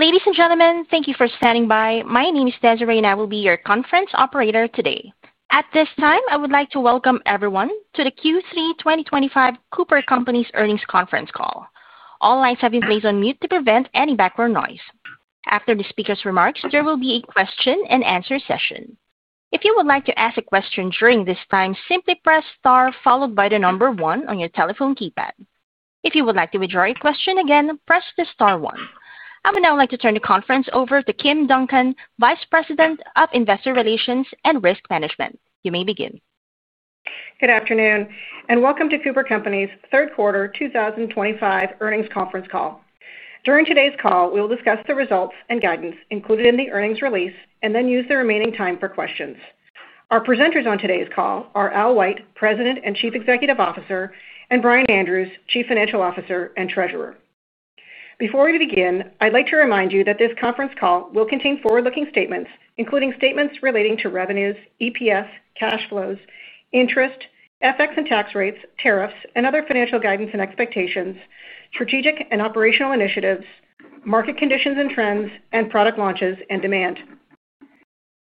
Ladies and gentlemen, thank you for standing by. My name is Desiree and I will be your conference operator today. At this time I would like to welcome everyone to the Q3 2025 The Cooper Companies Earnings Conference Call. All lines have been placed on mute to prevent any background noise. After the speaker's remarks, there will be a question and answer session. If you would like to ask a question during this time, simply press STAR followed by the number one on your telephone keypad. If you would like to withdraw a question, again press the star one. I would now like to turn the conference over to Kim Duncan, Vice President of Investor Relations and Risk Management. You may begin. Good afternoon and welcome to The Cooper Companies' Third Quarter 2025 Earnings Conference Call. During today's call, we will discuss the results and guidance included in the earnings release and then use the remaining time for questions. Our presenters on today's call are Al White, President and Chief Executive Officer, and Brian Andrews, Chief Financial Officer and Treasurer. Before we begin, I'd like to remind you that this conference call will contain forward-looking statements including statements relating to revenues, EPS, cash flows, interest, FX and tax rates, tariffs and other financial guidance and expectations, strategic and operational initiatives, market conditions and trends, and product launches and demand.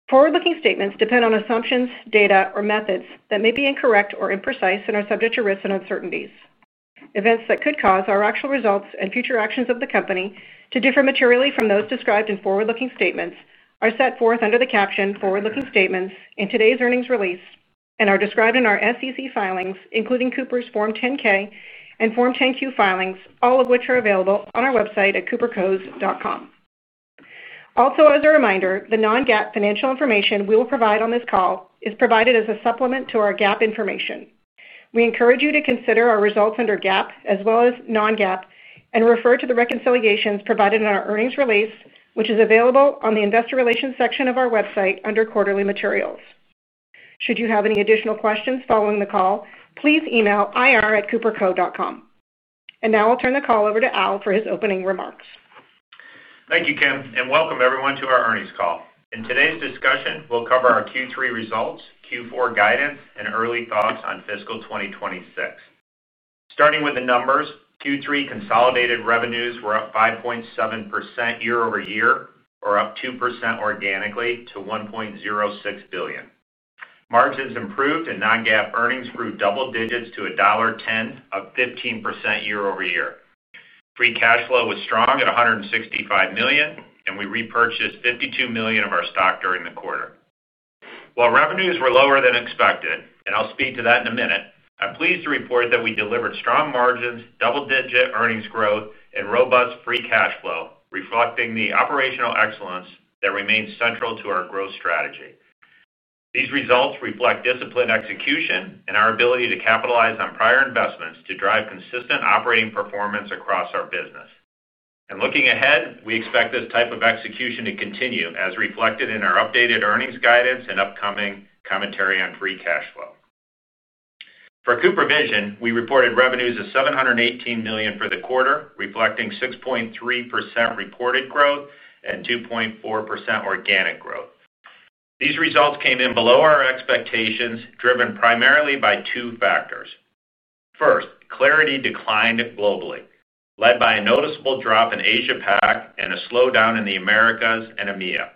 Forward-looking statements depend on assumptions, data or methods that may be incorrect or imprecise and are subject to risks and uncertainties. Events that could cause our actual results and future actions of the company to differ materially from those described in forward-looking statements are set forth under the caption Forward-Looking Statements in today's earnings release and are described in our SEC filings, including Cooper's Form 10-K and Form 10-Q filings, all of which are available on our website at coopercos.com. Also, as a reminder, the non-GAAP financial information we will provide on this call is provided as a supplement to our GAAP information. We encourage you to consider our results under GAAP as well as non-GAAP and refer to the reconciliations provided in our earnings release which is available on the Investor Relations section of our website under Quarterly Materials. Should you have any additional questions following the call, please email ir@cooperco.com. Now I'll turn the call over to Al for his opening remarks. Thank you, Kim, and welcome everyone to our earnings call. In today's discussion, we'll cover our Q3 results, Q4 guidance, and early thoughts on fiscal 2026. Starting with the numbers, Q3 consolidated revenues were up 5.7% year-over-year, or up 2% organically, to $1.06 billion. Margins improved, and non-GAAP earnings grew double digits to $1.10, up 15% year-over-year. Free cash flow was strong at $165 million, and we repurchased $52 million of our stock during the quarter. While revenues were lower than expected, and I'll speak to that in a minute, I'm pleased to report that we delivered strong margins, double-digit earnings growth, and robust free cash flow, reflecting the operational excellence that remains central to our growth strategy. These results reflect disciplined execution and our ability to capitalize on prior investments to drive consistent operating performance across our business. Looking ahead, we expect this type of execution to continue as reflected in our updated earnings guidance and upcoming commentary on free cash flow. For CooperVision, we reported revenues of $718 million for the quarter, reflecting 6.3% reported growth and 2.4% organic growth. These results came in below our expectations, driven primarily by two factors. First, clariti declined globally, led by a noticeable drop in Asia-Pacific and a slowdown in the Americas and EMEA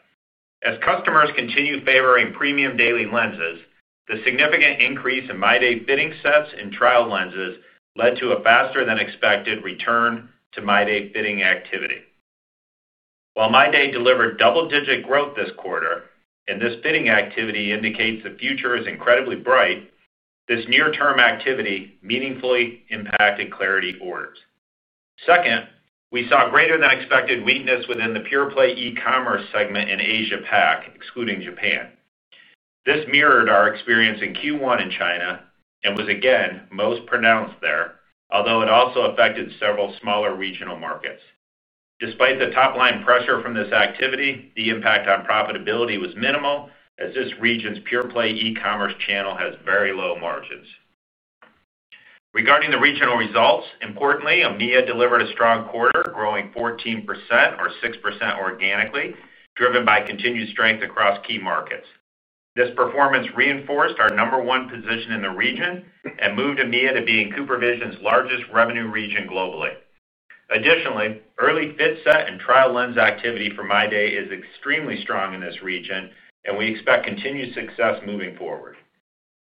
as customers continued favoring premium daily lenses. The significant increase in MyDay fitting sets and trial lenses led to a faster than expected return to MyDay fitting activity. While MyDay delivered double-digit growth this quarter and this fitting activity indicates the future is incredibly bright, this near-term activity meaningfully impacted clariti orders. Second, we saw greater than expected weakness within the pure-play e-commerce segment in Asia-Pacific excluding Japan. This mirrored our experience in Q1 in China and was again most pronounced there, although it also affected several smaller regional markets. Despite the top-line pressure from this activity, the impact on profitability was minimal as this region's pure-play e-commerce channel has very low margins. Regarding the regional results, importantly, EMEA delivered a strong quarter, growing 14% or 6% organically, driven by continued strength across key markets. This performance reinforced our number one position in the region and moved EMEA to being CooperVision's largest revenue region globally. Additionally, early fit set and trial lens activity for MyDay is extremely strong in this region, and we expect continued success moving forward.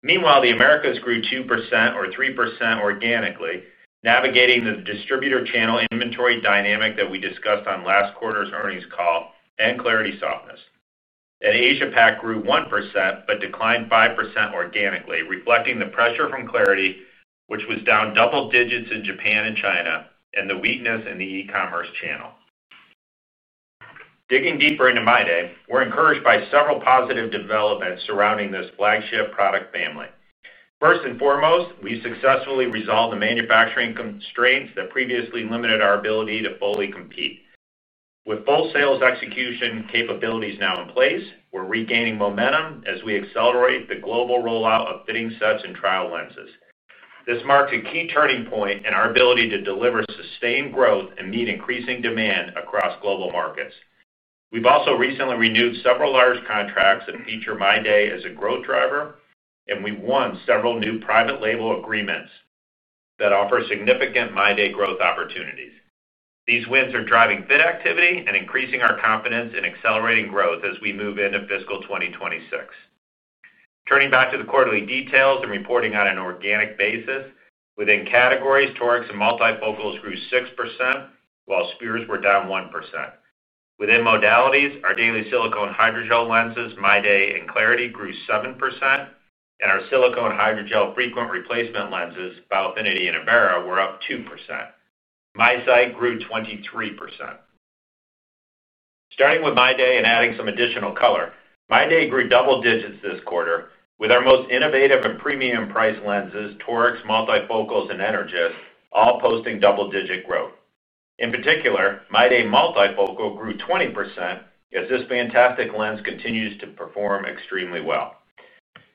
Meanwhile, the Americas grew 2%-3% organically, navigating the distributor channel inventory dynamic that we discussed on last quarter's earnings call and clariti softness. Asia-Pacific grew 1% but declined 5% organically, reflecting the pressure from clariti, which was down double digits in Japan and China, and the weakness in the pure-play e-commerce channel. Digging deeper into MyDay, we're encouraged by several positive developments surrounding this flagship product family. First and foremost, we successfully resolved the manufacturing constraints that previously limited our ability to fully compete. With full sales execution capabilities now in place, we're regaining momentum as we accelerate the global rollout of fitting sets and trial lenses. This marks a key turning point in our ability to deliver sustained growth and meet increasing demand across global markets. We've also recently renewed several large contracts and feature MyDay as a growth driver, and we won several new private label agreements that offer significant MyDay growth opportunities. These wins are driving bid activity and increasing our confidence in accelerating growth as we move into fiscal 2026. Turning back to the quarterly details and reporting on an organic basis, within categories, toric and multifocal products grew 6% while spheres were down 1%. Within modalities, our daily silicone hydrogel lenses, MyDay and clariti, grew 7%, and our silicone hydrogel frequent replacement lenses, Biofinity and Avaira, were up 2%. MiSight grew 23%. Starting with MyDay and adding some additional color, MyDay grew double digits this quarter with our most innovative and premium price lenses, toric, multifocal, and Energist, all posting double-digit growth. In particular, MyDay multifocal grew 20% as this fantastic lens continues to perform extremely well,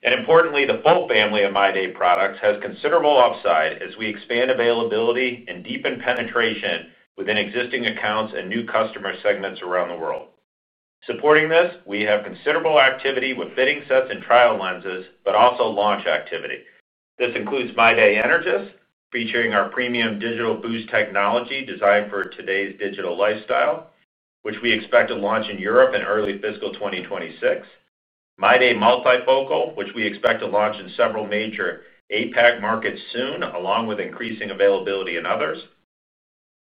and importantly, the full family of MyDay products has considerable upside as we expand availability and deepen penetration within existing accounts and new customer segments around the world. Supporting this, we have considerable activity with fitting sets and trial lenses, but also launch activity. This includes MyDay Energous featuring our Premium Digital Boost technology designed for today's digital lifestyle, which we expect to launch in Europe in early fiscal 2026, MyDay multifocal, which we expect to launch in several major Asia-Pacific markets soon along with increasing availability in others,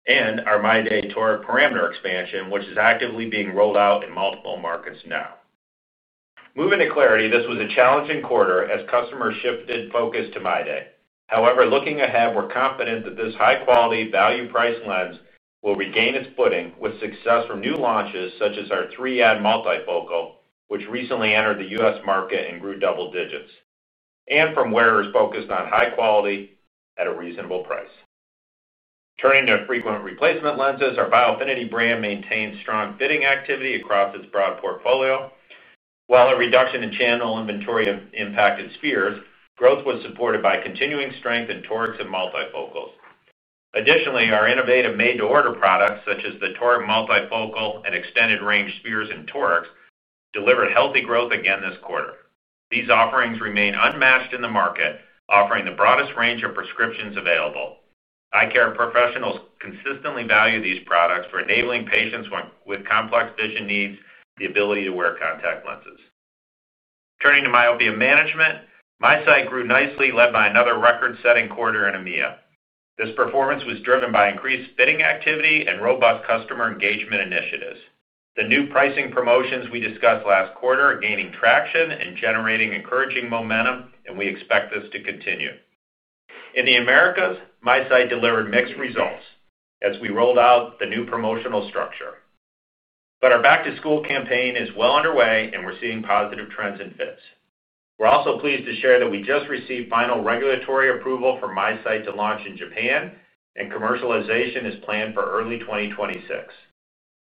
and our MyDay Toric Parameter Expansion, which is actively being rolled out in multiple markets. Now, moving to clariti, this was a challenging quarter as customers shifted focus to MyDay. However, looking ahead, we're confident that this high-quality, value-priced lens will regain its footing with success from new launches such as our clariti Multifocal, which recently entered the U.S. market and grew double digits, and from wearers focused on high quality at a reasonable price. Turning to frequent replacement lenses, our Biofinity brand maintained strong fitting activity across its broad portfolio, while a reduction in channel inventory impacted spheres. Growth was supported by continuing strength in toric and multifocal products. Additionally, our innovative made-to-order products such as the toric, multifocal, and extended range spheres and torics delivered healthy growth again this quarter. These offerings remain unmatched in the market, offering the broadest range of prescriptions available. Eye care professionals consistently value these products for enabling patients with complex vision needs the ability to wear contact lenses. Turning to myopia management, MiSight grew nicely, led by another record-setting quarter in EMEA. This performance was driven by increased fitting activity and robust customer engagement initiatives. The new pricing promotions we discussed last quarter are gaining traction and generating encouraging momentum, and we expect this to continue in the Americas. MiSight delivered mixed results as we rolled out the new promotional structure, but our back-to-school campaign is well underway and we're seeing positive trends in FIPs. We're also pleased to share that we just received final regulatory approval for MiSight to launch in Japan, and commercialization is planned for early 2026.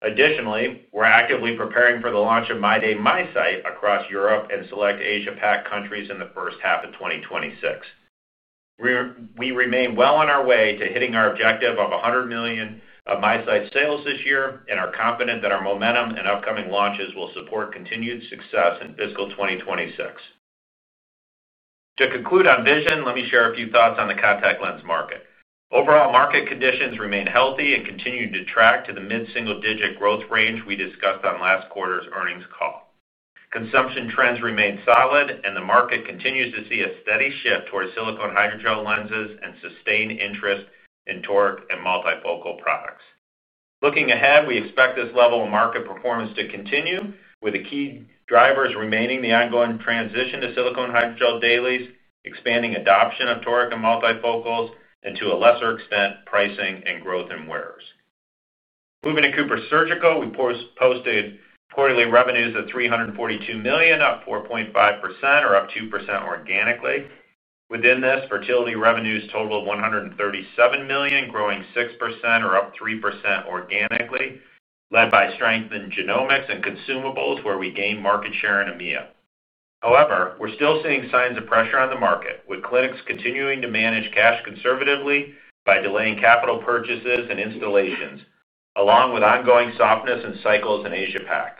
Additionally, we're actively preparing for the launch of MyDay MiSight across Europe and select Asia-Pacific countries in the first half of 2026. We remain well on our way to hitting our objective of $100 million of MiSight sales this year and are confident that our momentum and upcoming launches will support continued success in fiscal 2026. To conclude on Vision, let me share a few thoughts on the contact lens market. Overall market conditions remain healthy and continue to track to the mid single digit growth range we discussed on last quarter's earnings call. Consumption trends remain solid, and the market continues to see a steady shift towards silicone hydrogel lenses and sustained interest in toric and multifocal products. Looking ahead, we expect this level of market performance to continue with the key drivers remaining the ongoing transition to silicone hydrogel dailies, expanding adoption of toric and multifocals, and to a lesser extent, pricing and growth in wearers. Moving to Cooper Surgical, we posted quarterly revenues at $342 million, up 4.5% or up 2% organically. Within this, fertility revenues totaled $137 million, growing 6% or up 3% organically, led by strength in genomics and consumables where we gained market share in EMEA. However, we're still seeing signs of pressure on the market with clinics continuing to manage cash conservatively by delaying capital purchases and installations, along with ongoing softness in cycles in Asia-Pacific.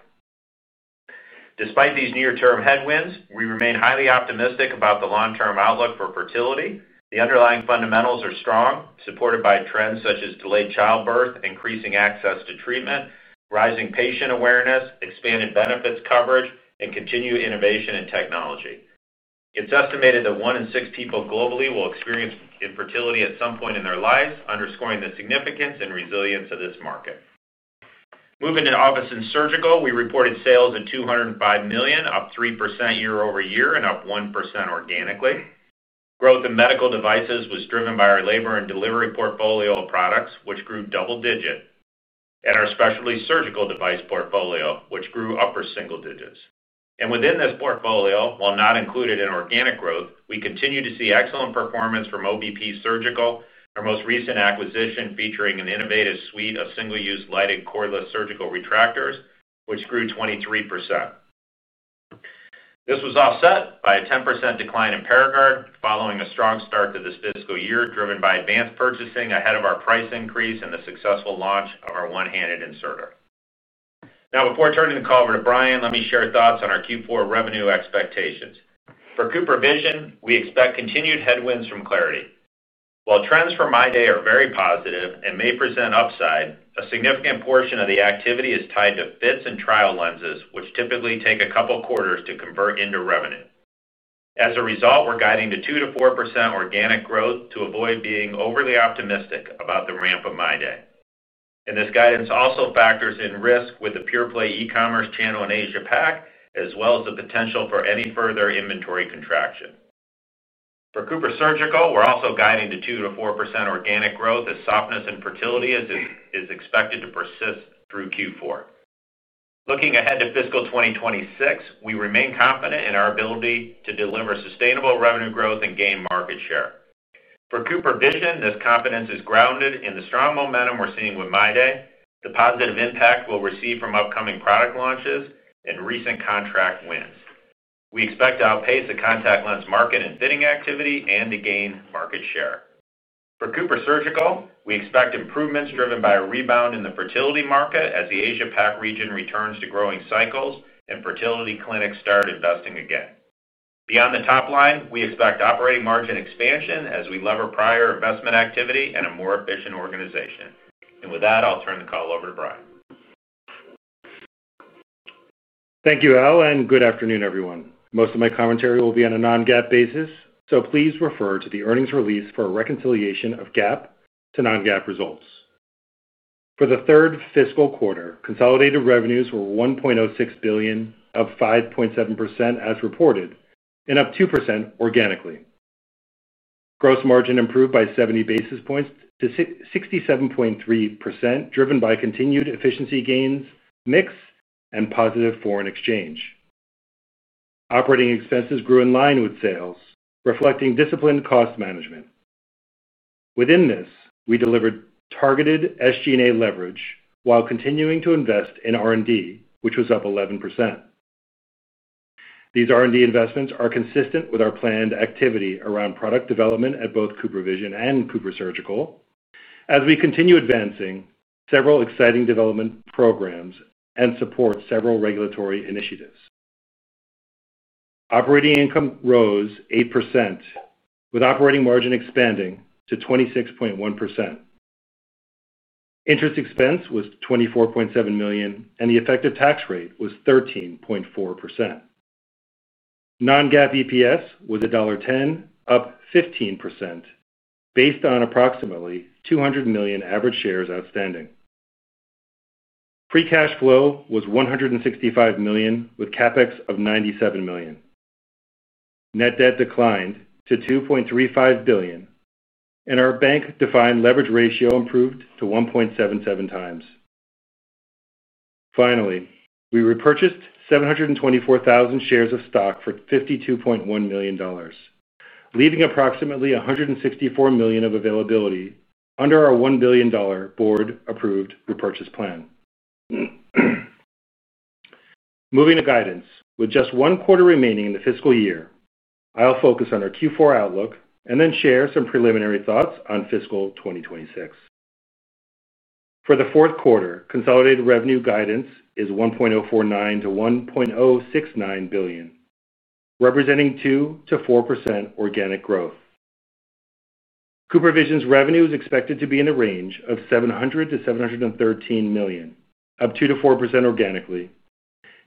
Despite these near term headwinds, we remain highly optimistic about the long term outlook for fertility. The underlying fundamentals are strong, supported by trends such as delayed childbirth, increasing access to treatment, rising patient awareness, expanded benefits coverage, and continued innovation in technology. It's estimated that one in six people globally will experience infertility at some point in their lives, underscoring the significance and resilience of this market. Moving in office and surgical, we reported sales of $205 million, up 3% year-over-year and up 1% organically. Growth in medical devices was driven by our labor and delivery portfolio of products, which grew double digit, and our specialty surgical device portfolio, which grew upper single digits. Within this portfolio, while not included in organic growth, we continue to see excellent performance from OBP Surgical, our most recent acquisition featuring an innovative suite of single use lighted cordless surgical retractors, which grew 23%. This was offset by a 10% decline in Paragard following a strong start to this fiscal year driven by advanced purchasing ahead of our price increase and the successful launch of our one handed inserter. Now, before turning the call over to Brian, let me share thoughts on our Q4 revenue expectations for CooperVision. We expect continued headwinds from clariti. While trends for MyDay are very positive and may present upside, a significant portion of the activity is tied to fits and trial lenses, which typically take a couple quarters to convert into revenue. As a result, we're guiding to 2% to 4% organic growth to avoid being overly optimistic about the ramp of MyDay, and this guidance also factors in risk with the pure-play e-commerce channel in Asia-Pacific as well as the potential for any further inventory contraction for Cooper Surgical. We're also guiding the 2%-4% organic growth as softness in fertility is expected to persist through Q4. Looking ahead to fiscal 2026, we remain confident in our ability to deliver sustainable revenue growth and gain market share for CooperVision. This confidence is grounded in the strong momentum we're seeing with MyDay, the positive impact we'll receive from upcoming product launches, and recent contract wins. We expect to outpace the contact lens market and bidding activity and to gain market share for Cooper Surgical. We expect improvements driven by a rebound in the fertility market as the Asia-Pacific region returns to growing cycles and fertility clinics start investing again. Beyond the top line, we expect operating margin expansion as we lever prior investment activity and a more efficient organization. With that, I'll turn the call over to Brian. Thank you Al and good afternoon everyone. Most of my commentary will be on a non-GAAP basis, so please refer to the earnings release for a reconciliation of GAAP to non-GAAP results for the third fiscal quarter. Consolidated revenues were $1.06 billion, up 5.7% as reported and up 2% organically. Gross margin improved by 70 basis points to 67.3%, driven by continued efficiency gains, mix, and positive foreign exchange. Operating expenses grew in line with sales, reflecting disciplined cost management. Within this, we delivered targeted SG&A leverage while continuing to invest in R&D, which was up 11%. These R&D investments are consistent with our planned activity around product development at both CooperVision and Cooper Surgical as we continue advancing several exciting development programs and support several regulatory initiatives. Operating income rose 8% with operating margin expanding to 26.1%. Interest expense was $24.7 million and the effective tax rate was 13.4%. Non-GAAP EPS was $1.10, up 15% based on approximately 200 million average shares outstanding. Free cash flow was $165 million with CapEx of $97 million. Net debt declined to $2.35 billion and our bank-defined leverage ratio improved to 1.77x. Finally, we repurchased 724,000 shares of stock for $52.1 million, leaving approximately $164 million of availability under our $1 billion board-approved repurchase plan. Moving to guidance, with just one quarter remaining in the fiscal year, I'll focus on our Q4 outlook and then share some preliminary thoughts on fiscal 2026. For the fourth quarter, consolidated revenue guidance is $1.049 billion-$1.069 billion, representing 2%-4% organic growth. CooperVision's revenue is expected to be in the range of $700 million-$713 million, up 2%-4% organically,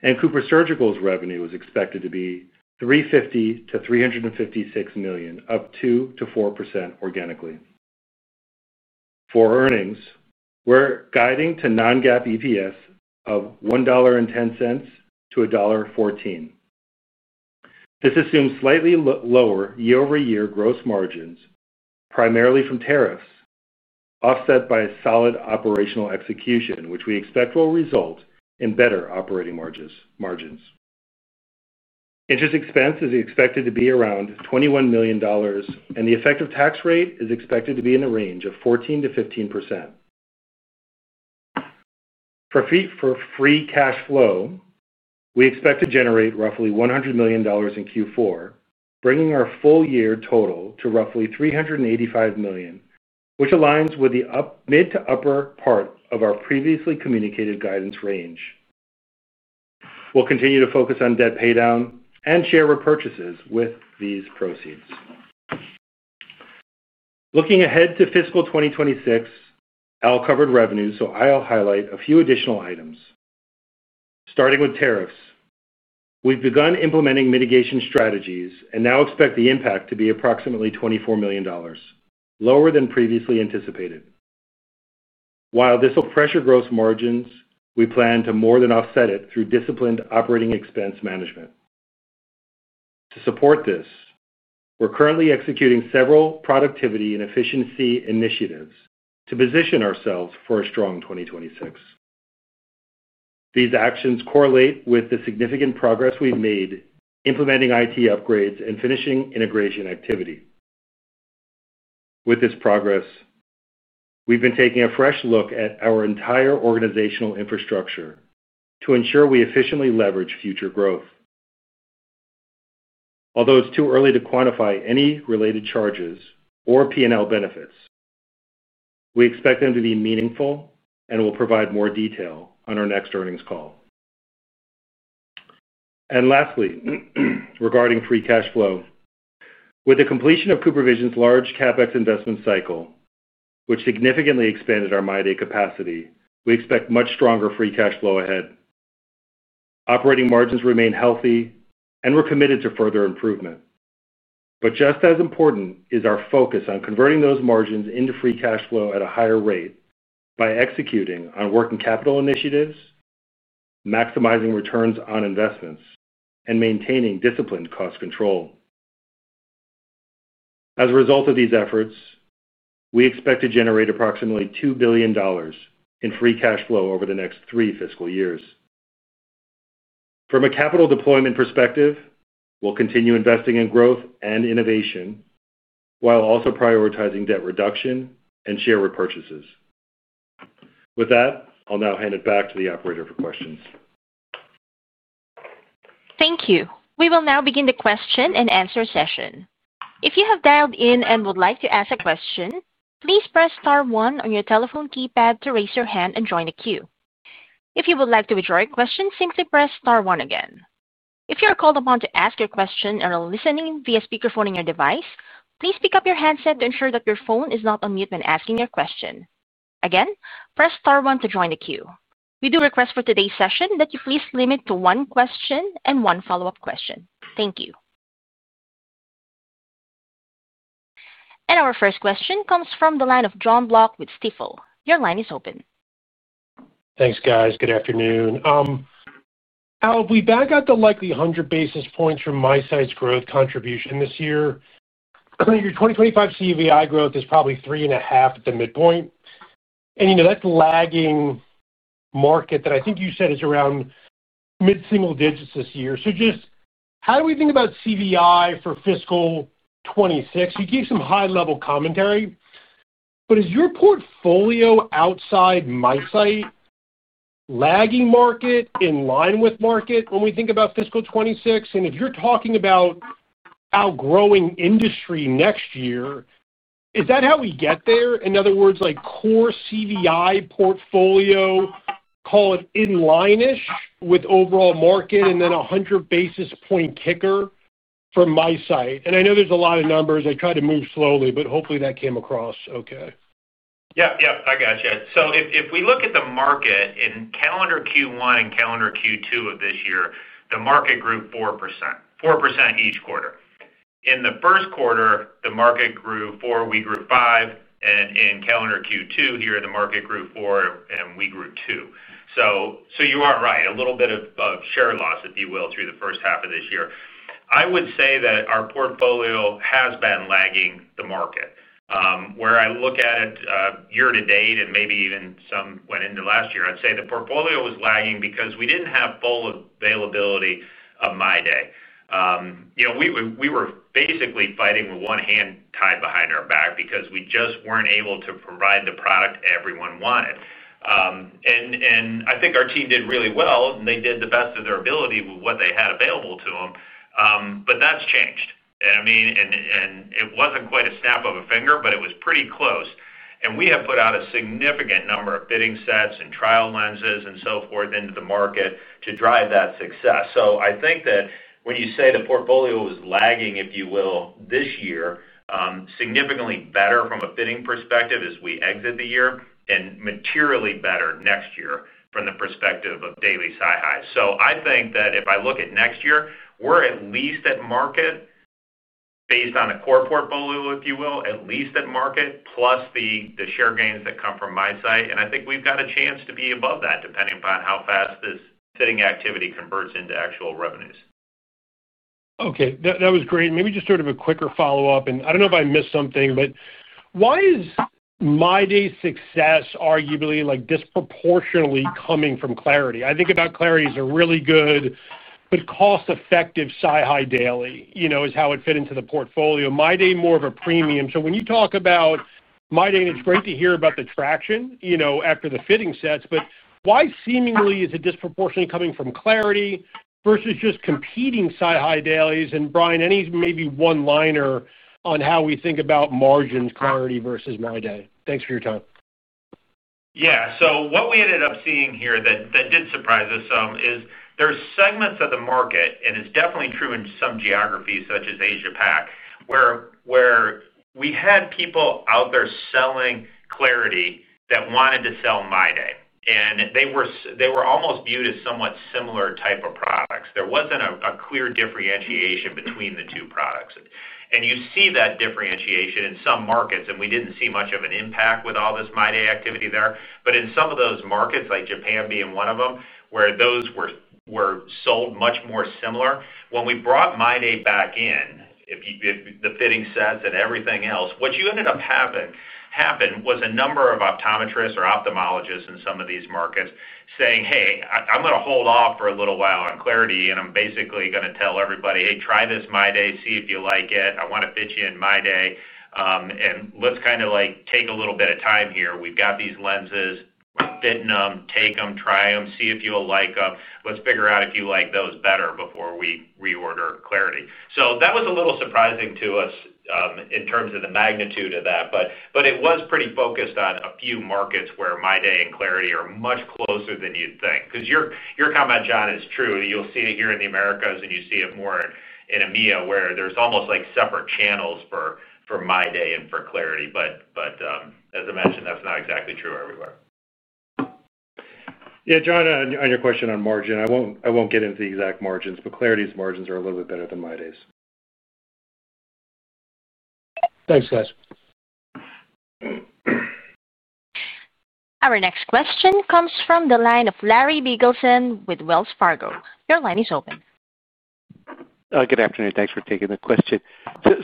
and Cooper Surgical's revenue is expected to be $350 million-$356 million, up 2%-4% organically. For earnings, we're guiding to non-GAAP EPS of $1.10-$1.14. This assumes slightly lower year-over-year gross margins, primarily from tariffs offset by solid operational execution, which we expect will result in better operating margins. Interest expense is expected to be around $21 million and the effective tax rate is expected to be in the range of 14%-15%. For free cash flow, we expect to generate roughly $100 million in Q4, bringing our full year total to roughly $385 million, which aligns with the mid to upper part of our previously communicated guidance range. We'll continue to focus on debt paydown and share repurchases with these proceeds. Looking ahead to fiscal 2026, Al covered revenues, so I'll highlight a few additional items starting with tariffs. We've begun implementing mitigation strategies and now expect the impact to be approximately $24 million lower than previously anticipated. While this will pressure gross margins, we plan to more than offset it through disciplined operating expense management. To support this, we're currently executing several productivity and efficiency initiatives to position ourselves for a strong 2026. These actions correlate with the significant progress we've made implementing IT upgrades and finishing integration activity. With this progress, we've been taking a fresh look at our entire organizational infrastructure to ensure we efficiently leverage future growth. Although it's too early to quantify any related charges or P&L benefits, we expect them to be meaningful and will provide more detail on our next earnings call. Lastly, regarding free cash flow, with the completion of CooperVision's large CapEx investment cycle, which significantly expanded our MyDay capacity, we expect much stronger free cash flow ahead. Operating margins remain healthy and we're committed to further improvement, but just as important is our focus on converting those margins into free cash flow at a higher rate by executing on working capital initiatives, maximizing returns on investments, and maintaining disciplined cost control. As a result of these efforts, we expect to generate approximately $2 billion in free cash flow over the next three fiscal years. From a capital deployment perspective, we'll continue investing in growth and innovation while also prioritizing debt reduction and share repurchases. With that, I'll now hand it back to the operator for questions. Thank you. We will now begin the question and answer session. If you have dialed in and would like to ask a question, please press Star one on your telephone keypad to raise your hand and join the queue. If you would like to withdraw your question, simply press Star one again. If you are called upon to ask your question or are listening via speakerphone on your device, please pick up your handset to ensure that your phone is not on mute when asking your question. Again, press Star one to join the queue. We do request for today's session that you please limit to one question and one follow up question. Thank you. Our first question comes from the line of Jonathan David Block with Stifel Nicolaus & Company Incorporated. Your line is open. Thanks, guys. Good afternoon. Al, we back out to likely 100 basis points from MiSight growth contribution this year. Your 2025 CVI growth is probably 3.5% at the midpoint, and you know that's lagging market that I think you said is around mid-single digits this year. Just how do we think about CVI for fiscal 2026? You gave some high-level commentary, but is your portfolio outside MiSight lagging market, in line with market when we think about fiscal 2026, and if you're talking about outgrowing industry next year, is that how we get there? In other words, like core CVI portfolio, call it in-line-ish with overall market, and then 100 basis point kicker from MiSight. I know there's a lot of numbers. I tried to move slowly, but hopefully. That came across okay. Yeah. Yep, I gotcha. If we look at the market in calendar Q1 and calendar Q2 of this year, the market grew 4%. 4% each quarter. In the first quarter the market grew 4, we grew 5. In calendar Q2 here, the market grew 4 and we grew 2. You are right, a little bit of share loss, if you will, through the first half of this year. I would say that our portfolio has been lagging the market, where I look at it year to date and maybe even some went into last year, I'd say the portfolio was lagging because we didn't have full availability of MyDay. We were basically fighting with one hand tied behind our back because we just weren't able to provide the product everyone wanted. I think our team did really well and they did the best of their ability with what they had available to them. That has changed and it wasn't quite a snap of a finger, but it was pretty close. We have put out a significant number of fitting sets and trial lenses and so forth into the market to drive that success. I think that when you say the portfolio is lagging, if you will, this year, it is significantly better from a fitting perspective as we exit the year and materially better next year from the perspective of daily SiHIs. I think that if I look at next year, we're at least at market based on a core portfolio, if you will, at least at market plus the share gains that come from MiSight. I think we've got a chance to be above that depending upon how fast this fitting activity converts into actual revenues. Okay, that was great. Maybe just sort of a quicker follow up. I don't know if I missed something, but why is MyDay success arguably like disproportionately coming from clariti? I think about clariti as a really good but cost effective SiHy daily, you know, is how it fit into the portfolio. MyDay more of a premium. When you talk about MyDay and it's great to hear about the traction, you know, after the fitting sets, why seemingly is it disproportionately coming from clariti versus just competing SiHy dailies? Brian, any maybe one liner on how we think about margins? clariti versus MyDay? Thanks for your time. Yeah. What we ended up seeing here that did surprise us some is that there are segments of the market, and it's definitely true in some geographies such as Asia-Pacific, where we had people out there selling clariti lenses that wanted to sell MyDay. They were almost viewed as somewhat similar type of products. There wasn't a clear differentiation between the two products. You see that differentiation in some markets. We didn't see much of an impact with all this MyDay activity there. In some of those markets, like Japan being one of them, those were sold much more similar. When we brought MyDay back in the fitting sets and everything else, what ended up happening was a number of optometrists or ophthalmologists in some of these markets saying, hey, I'm going to hold off for a little while on clariti. I'm basically going to tell everybody, hey, try this MyDay. See if you like it. I want to fit you in MyDay. Let's kind of like take a little bit of time here. We've got these lenses. Fit in them, take them, try them, see if you'll like them. Let's figure out if you like those better before we reorder clariti. That was a little surprising to us in terms of the magnitude of that. It was pretty focused on a few markets where MyDay and clariti are much closer than you'd think. Your comment, John, is true. You'll see it here in the Americas and you see it more in EMEA, where there's almost like separate channels for MyDay and for clariti. As I mentioned, that's not exactly true everywhere. Yeah, John, on your question on margin, I won't get into the exact margins, but clariti's margins are a little bit better than MyDay's. Thanks, guys. Our next question comes from the line of Lawrence H. Biegelsen with Wells Fargo Securities LLC. Caroline Shulkin, Good afternoon. Thanks for taking the question.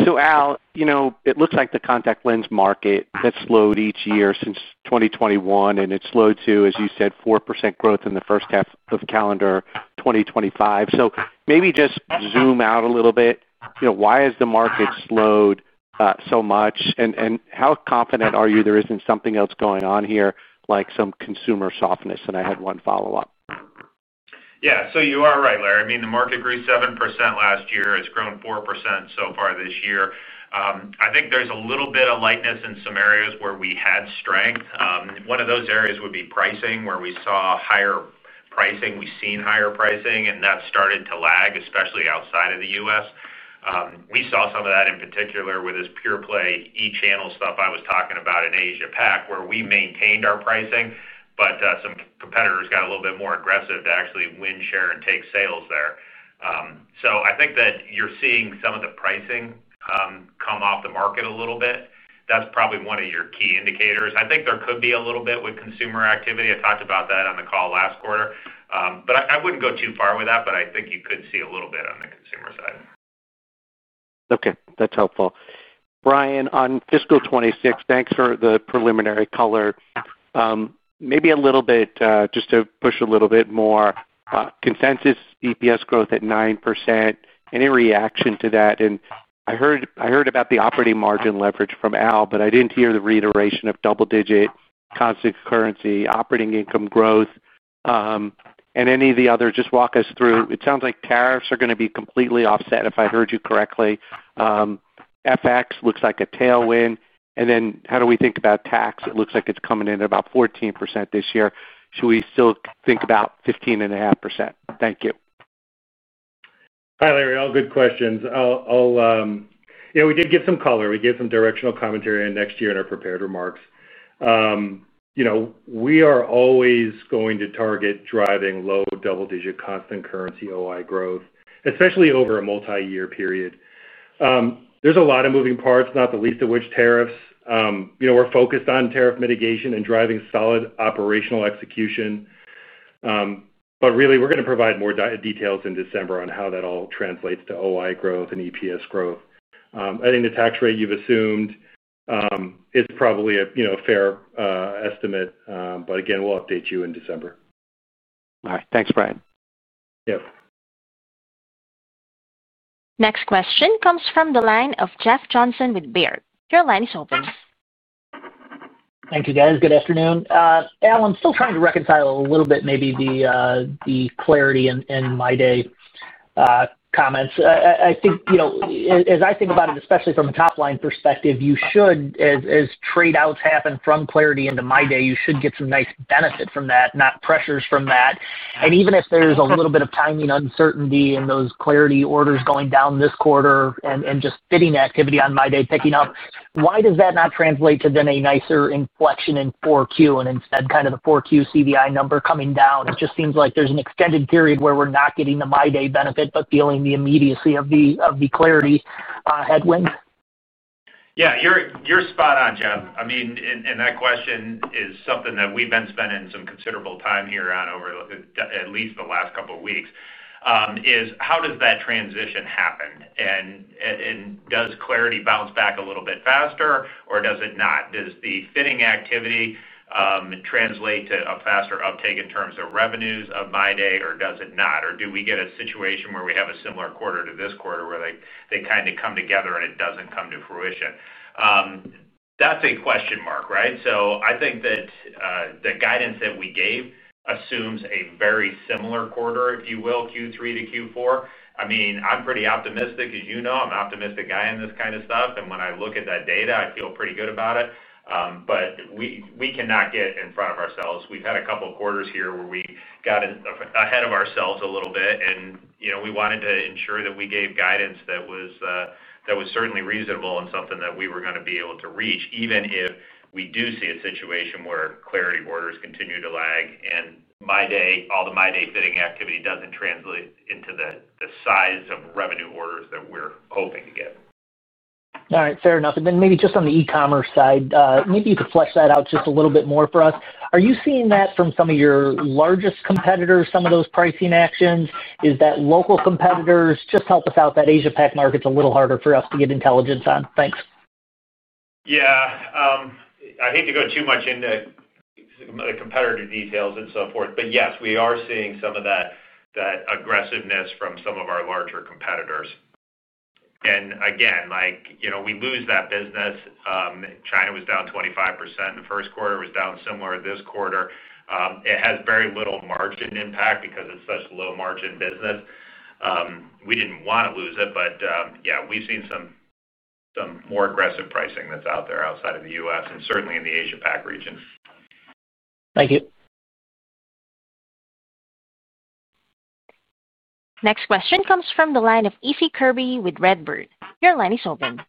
Al, you know, it looks like the contact lens market has slowed each year since 2021, and it slowed to, as you said, 4% growth in the first half of calendar 2025. Maybe just zoom out a little bit, you know, why has the market slowed so much? How confident are you there isn't something else going on here like some consumer softness? I had one follow up. Yeah, you are right, Larry. I mean, the market grew 7% last year. It's grown 4% so far this year. I think there's a little bit of lightness in some areas where we had strength. One of those areas would be pricing. Where we saw higher pricing, we've seen higher pricing, and that started to lag. Especially outside of the U.S., we saw some of that. In particular with this pure-play e-commerce channel stuff I was talking about in Asia-Pacific where we maintained our pricing but some competitors got a little bit more aggressive to actually win share and take sales there. I think that you're seeing some of the pricing come off the market a little bit. That's probably one of your key indicators. I think there could be a little bit with consumer activity. I talked about that on the call last quarter, but I wouldn't go too far with that. I think you could see a little bit on the consumer side. Okay, that's helpful. Brian, on fiscal 2026, thanks for the preliminary color. Maybe a little bit just to push a little bit more consensus. EPS growth at 9% in reaction to that, and I heard about the operating margin leverage from Al, but I didn't hear the reiteration of double-digit constant currency operating income growth and any of the other. Just walk us through. It sounds like tariffs are going to be completely offset. If I've heard you correctly, FX looks like a tailwind. How do we think about tax? It looks like it's coming in at about 14% this year. Should we still think about 15.5%? Thank you. Hi Larry, all good questions. You know we did give some color, we gave some directional commentary and next year in our prepared remarks, you know we are always going to target driving low double digit constant currency OI growth, especially over a multi-year period. There's a lot of moving parts, not the least of which tariffs. You know we're focused on tariff mitigation and driving solid operational execution. Really, we're going to provide more details in December on how that all translates to OI growth and EPS growth. I think the tax rate you've assumed is probably a, you know, fair estimate. Again, we'll update you in December. All right, thanks Brian. Yep. Next question comes from the line of Jeffrey D. Johnson with Robert W. Baird & Co. Incorporated. Your line is open. Thank you, guys. Good afternoon. Al, I'm still trying to reconcile a little bit maybe the clariti and MyDay comments. I think, you know, as I think about it, especially from a top line perspective, you should as trade outs happen from clariti into MyDay, you should get some nice benefit from that, not pressures from that. Even if there's a little bit of timing uncertainty in those clariti orders going down this quarter and just bidding activity on MyDay picking up, why does that not translate to then a nicer inflection in 4Q and instead kind of the 4Q CVI number coming down? It just seems like there's an extended period where we're not getting the MyDay benefit, but feeling the immediacy of the clariti headwind. Yeah, you're spot on, Jeff. That question is something that we've been spending some considerable time here on over at least the last couple weeks, is how does that transition happen and does clariti bounce back a little bit faster or does it not? Does the fitting activity translate to a faster uptake in terms of revenues of MyDay, or does it not? Do we get a situation where we have a similar quarter to this quarter where they kind of come together and it doesn't come to fruition? That's a question mark. I think that the guidance that we gave assumes a very similar quarter, if you will, Q3 to Q4. I'm pretty optimistic, as you know. I'm an optimistic guy in this kind of stuff. When I look at that data, I feel pretty good about it. We cannot get in front of ourselves. We've had a couple quarters here where we got ahead of ourselves a little bit and we wanted to ensure that we gave guidance that was certainly reasonable and something that we were going to be able to reach, even if we do see a situation where clariti orders continue to lag and all the MyDay fitting activity doesn't translate into the size of revenue orders that we're hoping to get. All right, fair enough. Maybe just on the e-commerce side, could you flesh that out just a little bit more for us? Are you seeing that from some of your largest competitors? Some of those pricing actions, is that local competitors? Just help us out. That Asia-Pacific market's a little harder for us to get intelligence on. Thanks. I hate to go too much into the competitor details and so forth, but yes, we are seeing some of that aggressiveness from some of our larger competitors. You know, we lose that business. China was down 25% in the first quarter and was down similar to this quarter. It has very little margin impact because it's such low margin business. We didn't want to lose it. We've seen some more aggressive pricing that's out there outside of the U.S. and certainly in the Asia-Pacific region. Thank you. Next question comes from the line of Issie Kirby with Redburn. Your line is open.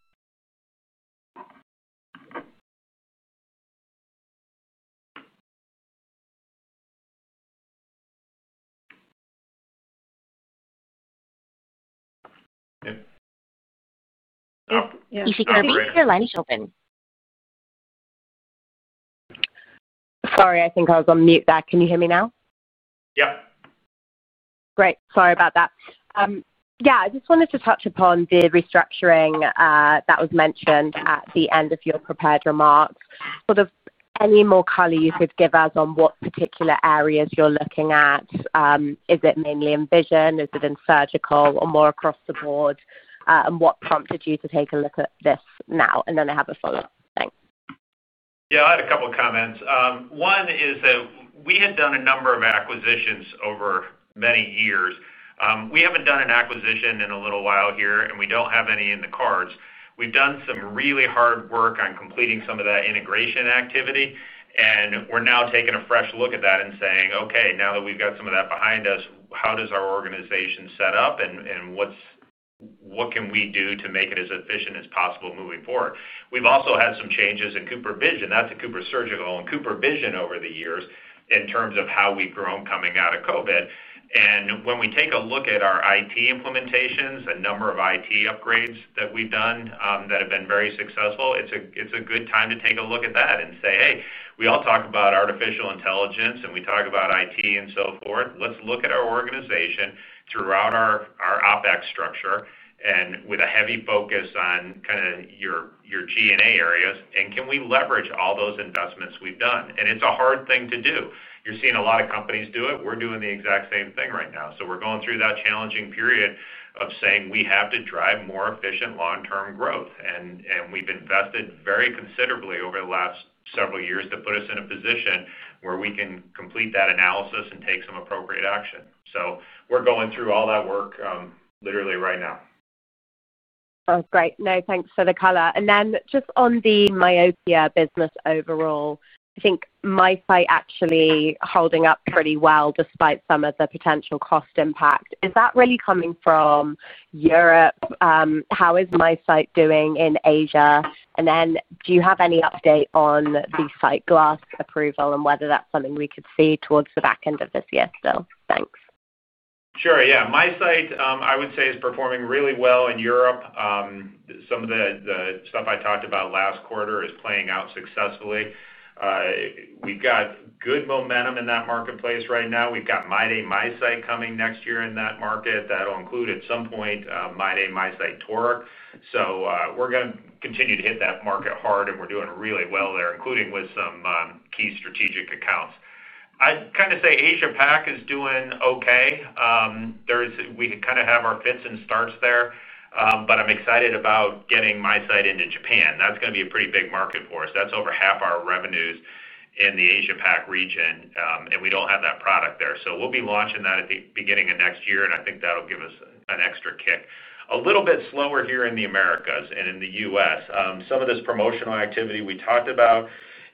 Sorry, I think I was on mute. Can you hear me now? Yeah. Great. Sorry about that. I just wanted to touch upon the restructuring that was mentioned at the end of your prepared remarks. Sort of. Any more color you could give us on what particular areas you're looking at? Is it mainly in Vision, is it in Surgical, or more across the board? What prompted you to take a look at this now? I have a follow up. Yeah, I had a couple comments. One is that we had done a number of acquisitions over many years. We haven't done an acquisition in a little while here and we don't have any in the cards. We've done some really hard work on completing some of that integration activity and we're now taking a fresh look at that and saying, okay, now that we've got some of that behind us, how does our organization set up and what can we do to make it as efficient as possible moving forward? We've also had some changes in Cooper Surgical and CooperVision over the years in terms of how we've grown coming out of COVID and when we take a look at our IT implementations, a number of IT upgrades that we've done that have been very successful. It's a good time to take a look at that and say, hey, we all talk about artificial intelligence and we talk about IT and so forth. Let's look at our organization throughout our OpEx structure and with a heavy focus on kind of your TNA areas and can we leverage all those investments we've done. It's a hard thing to do. You're seeing a lot of companies do it. We're doing the exact same thing right now. We are going through that challenging period of saying we have to drive more efficient long term growth. We've invested very, very considerably over the last several years to put us in a position where we can complete that analysis and take some appropriate action. We are going through all that work literally right now. Great. No, thanks for the color. Just on the myopia business overall, I think MiSight actually holding up pretty well despite some of the potential cost impact. Is that really coming from Europe? How is MiSight doing in Asia? Do you have any update on the SightGlass approval and whether that's something we could see towards the back end of this year still? Thanks. Sure. Yeah. MiSight I would say is performing really well in Europe. Some of the stuff I talked about last quarter is playing out successfully. We've got good momentum in that marketplace right now. We've got MyDay MiSight coming next year in that market. That'll include at some point MiSight, MiSight Toric. We're going to continue to hit that market hard. We're doing really well there, including with some key strategic accounts. I'd kind of say Asia-Pacific is doing okay. We kind of have our fits and starts there, but I'm excited about getting MiSight into Japan. That's going to be a pretty big market for us. That's over half our revenues in the Asia-Pacific region and we don't have that product there. We'll be launching that at the beginning of next year and I think that'll give us an extra kick. A little bit slower here in the Americas and in the U.S. Some of this promotional activity we talked about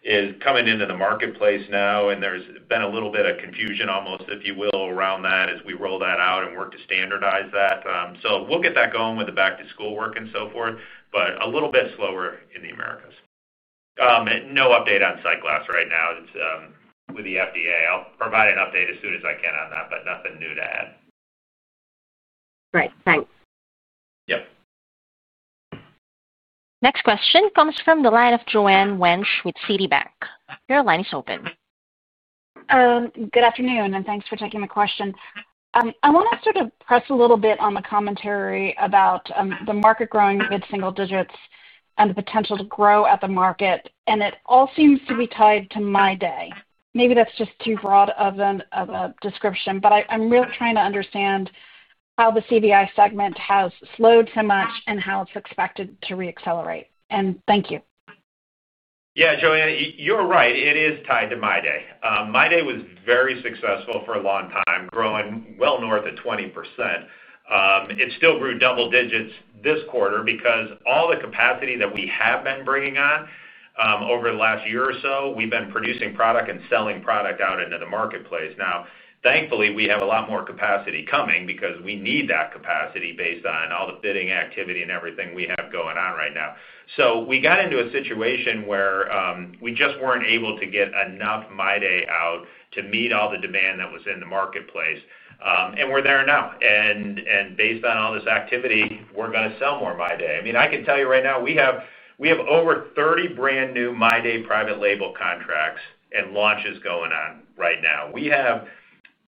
is coming into the marketplace now and there's been a little bit of confusion, almost, if you will, around that as we roll that out and work to standardize that. We'll get that going with the back-to-school work and so forth, but a little bit slower in the Americas. No update on SightGlass right now with the FDA. I'll provide an update as soon as I can on that, but nothing new to add. Great, thanks. Yeah. Next question comes from the line of Joanne Karen Wuensch with Citigroup Inc. Your line is open. Good afternoon and thanks for taking the question. I want to sort of press a little bit on the commentary about the market growing mid single digits and the potential to grow at the market.It all seems to be tied to MyDay. Maybe that's just too broad of a description, but I'm really trying to understand how the CVI segment has slowed so much and how it's expected to reaccelerate. Thank you. Yeah, Joanne, you're right. It is tied to MyDay. MyDay was very successful for a long time, growing well north of 20%. It still grew double digits this quarter because all the capacity that we have been bringing on over the last year or so, we've been producing product and selling product out into the marketplace. Now, thankfully, we have a lot more capacity coming because we need that capacity based on all the bidding activity and everything we have going on right now. We got into a situation where we just weren't able to get enough MyDay out to meet all the demand that was in the marketplace. We're there now and based on all this activity, we're going to sell more MyDay. I mean, I can tell you right now we have over 30 brand new MyDay private label contracts and launches going on right now. We have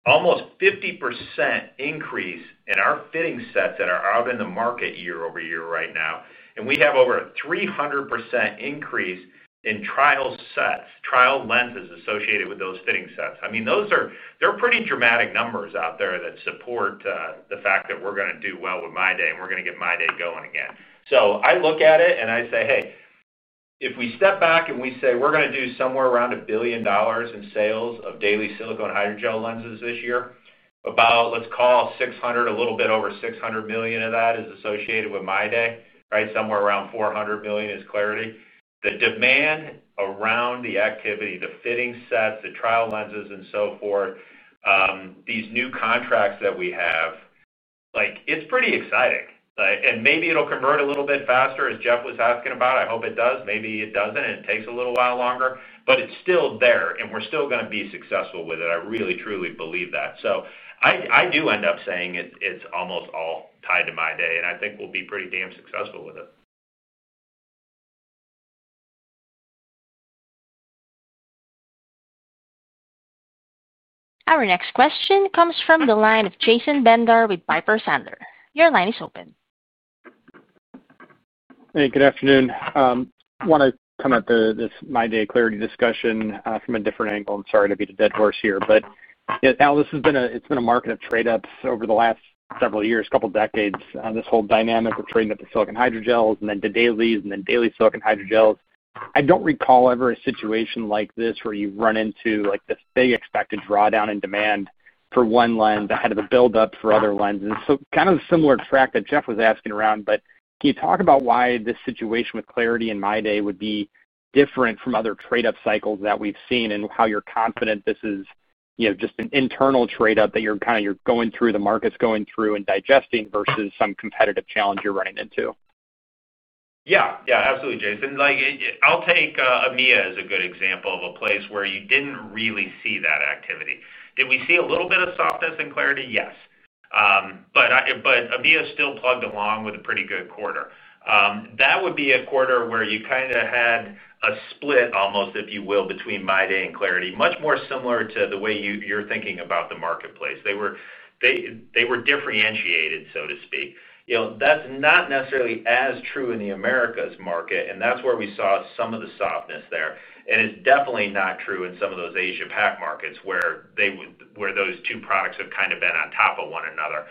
almost a 50% increase in our fitting sets that are out in the market year-over-year right now, and we have over a 300% increase in trial sets, trial lenses associated with those fitting sets. Those are pretty dramatic numbers out there that support the fact that we're going to do well with MyDay and we're going to get MyDay going again. I look at it and I say, hey, if we step back and we say we're going to do somewhere around $1 billion in sales of daily silicone hydrogel lenses this year, about, let's call $600 million, a little bit over $600 million of that is associated with MyDay. Right. Somewhere around $400 million is clariti. The demand around the activity, the fitting sets, the trial lenses and so forth, these new contracts that we have, it's pretty exciting and maybe it'll convert a little bit faster as Jeff was asking about. I hope it does, maybe it doesn't and it takes a little while longer, but it's still there and we're still going to be successful with it. I really truly believe that. I do end up saying it's almost all tied to MyDay and I think we'll be pretty damn successful with it. Our next question comes from the line of Jason M. Bednar with Piper Sandler & Co. Your line is open. Hey, good afternoon. Want to come at this MyDay clariti discussion from a different angle? I'm sorry to beat a dead horse here, but Al, this has been a, it's been a market of trade ups over the last several years, couple decades, this whole dynamic. We're trading at the silicone hydrogels and then the dailies and then daily silicone hydrogels. I don't recall ever a situation like this where you run into like this. The expected drawdown in demand for one lens ahead of the buildup for other lenses. Kind of similar track that Jeff was asking around. Can you talk about why this situation with clariti and MyDay would be different from other trade up cycles that we've seen and how you're confident this is just an internal trade up that you're kind of, you're going through, the market's going through and digesting versus some competitive challenge you're running into? Yeah, absolutely, Jason. I'll take EMEA as a good example of a place where you didn't really see that activity. Did we see a little bit of softness in clariti? Yes. EMEA still plugged along with a pretty good quarter. That would be a quarter where you kind of had a split almost, if you will, between MyDay and clariti. Much more similar to the way you're thinking about the marketplace. They were differentiated, so to speak. That's not necessarily as true in the Americas market, and that's where we saw some of the softness there. It's definitely not true in some of those Asia-Pacific markets where those two products have kind of been on top of one another.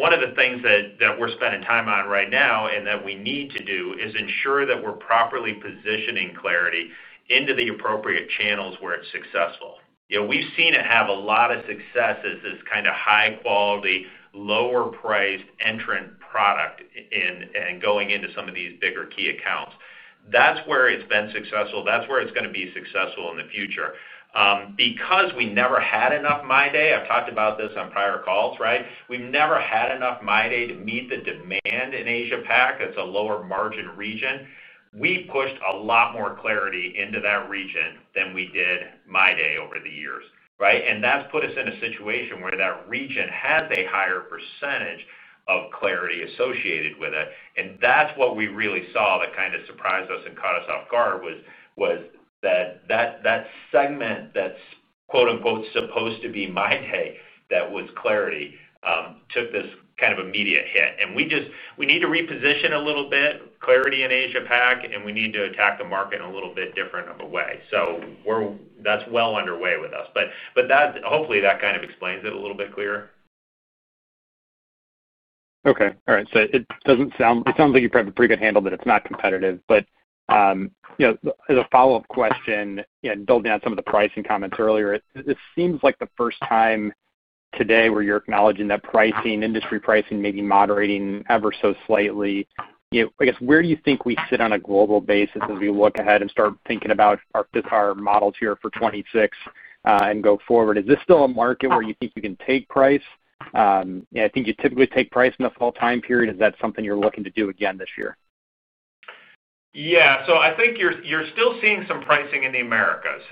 One of the things that we're spending time on right now and that we need to do is ensure that we're properly positioning clariti into the appropriate channels where it's successful. We've seen it have a lot of successes, this kind of high quality, lower priced entrant product and going into some of these bigger key accounts. That's where it's been successful. That's where it's going to be successful in the future. Because we never had enough MyDay. I've talked about this on prior calls. We've never had enough MyDay to meet the demand in Asia-Pacific. It's a lower margin region. We pushed a lot more clariti into that region than we did MyDay over the years, and that's put us in a situation where that region has a higher percentage of clariti associated with it. That's what we really saw that kind of surprised us and caught us off guard. Was that that segment that's "supposed to be" MyDay, that was clariti, took this kind of immediate hit, and we just need to reposition a little bit clariti in Asia-Pacific, and we need to attack the market in a little bit different of a way. That is well underway with us, and hopefully that kind of explains it a little bit clearer. Okay. All right. It sounds like you've a pretty good handle that it's not competitive. As a follow-up question, building on some of the pricing comments earlier, this seems like the first time today where you're acknowledging that industry pricing may be moderating ever so slightly, I guess. Where do you think we sit on a global basis as we look ahead and start thinking about our Fitar models here for 2026 and go forward? Is this still a market where you think you can take price? I think you typically take price in the fall time period. Is that something you're looking to do again this year? I think you're still seeing some pricing in the Americas.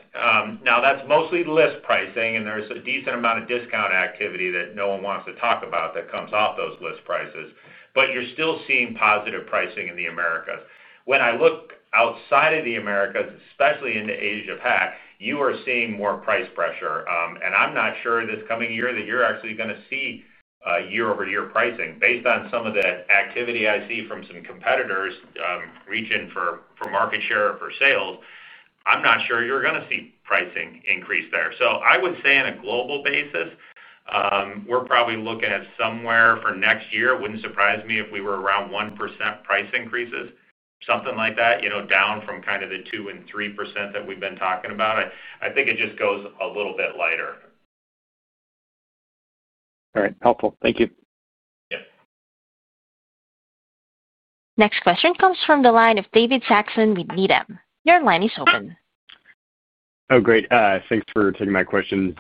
Now that's mostly list pricing, and there's a decent amount of discount activity that no one wants to talk about that comes off those list prices, but you're still seeing positive pricing in the Americas. When I look outside of the Americas, especially in the Asia-Pacific, you are seeing more price pressure. I'm not sure this coming year that you're actually going to see year-over-year pricing. Based on some of the activity I see from some competitors reaching for market share for sales, I'm not sure you're going to see pricing increase there. I would say on a global basis we're probably looking at somewhere for next year. It wouldn't surprise me if we were around 1% price increases, something like that, you know, down from kind of the 2% and 3% that we've been talking about. I think it just goes a little bit lighter. All right, helpful, thank you. Next question comes from the line of David Joshua Saxon with Needham & Company LLC. Your line is open. Oh great. Thanks for taking my questions.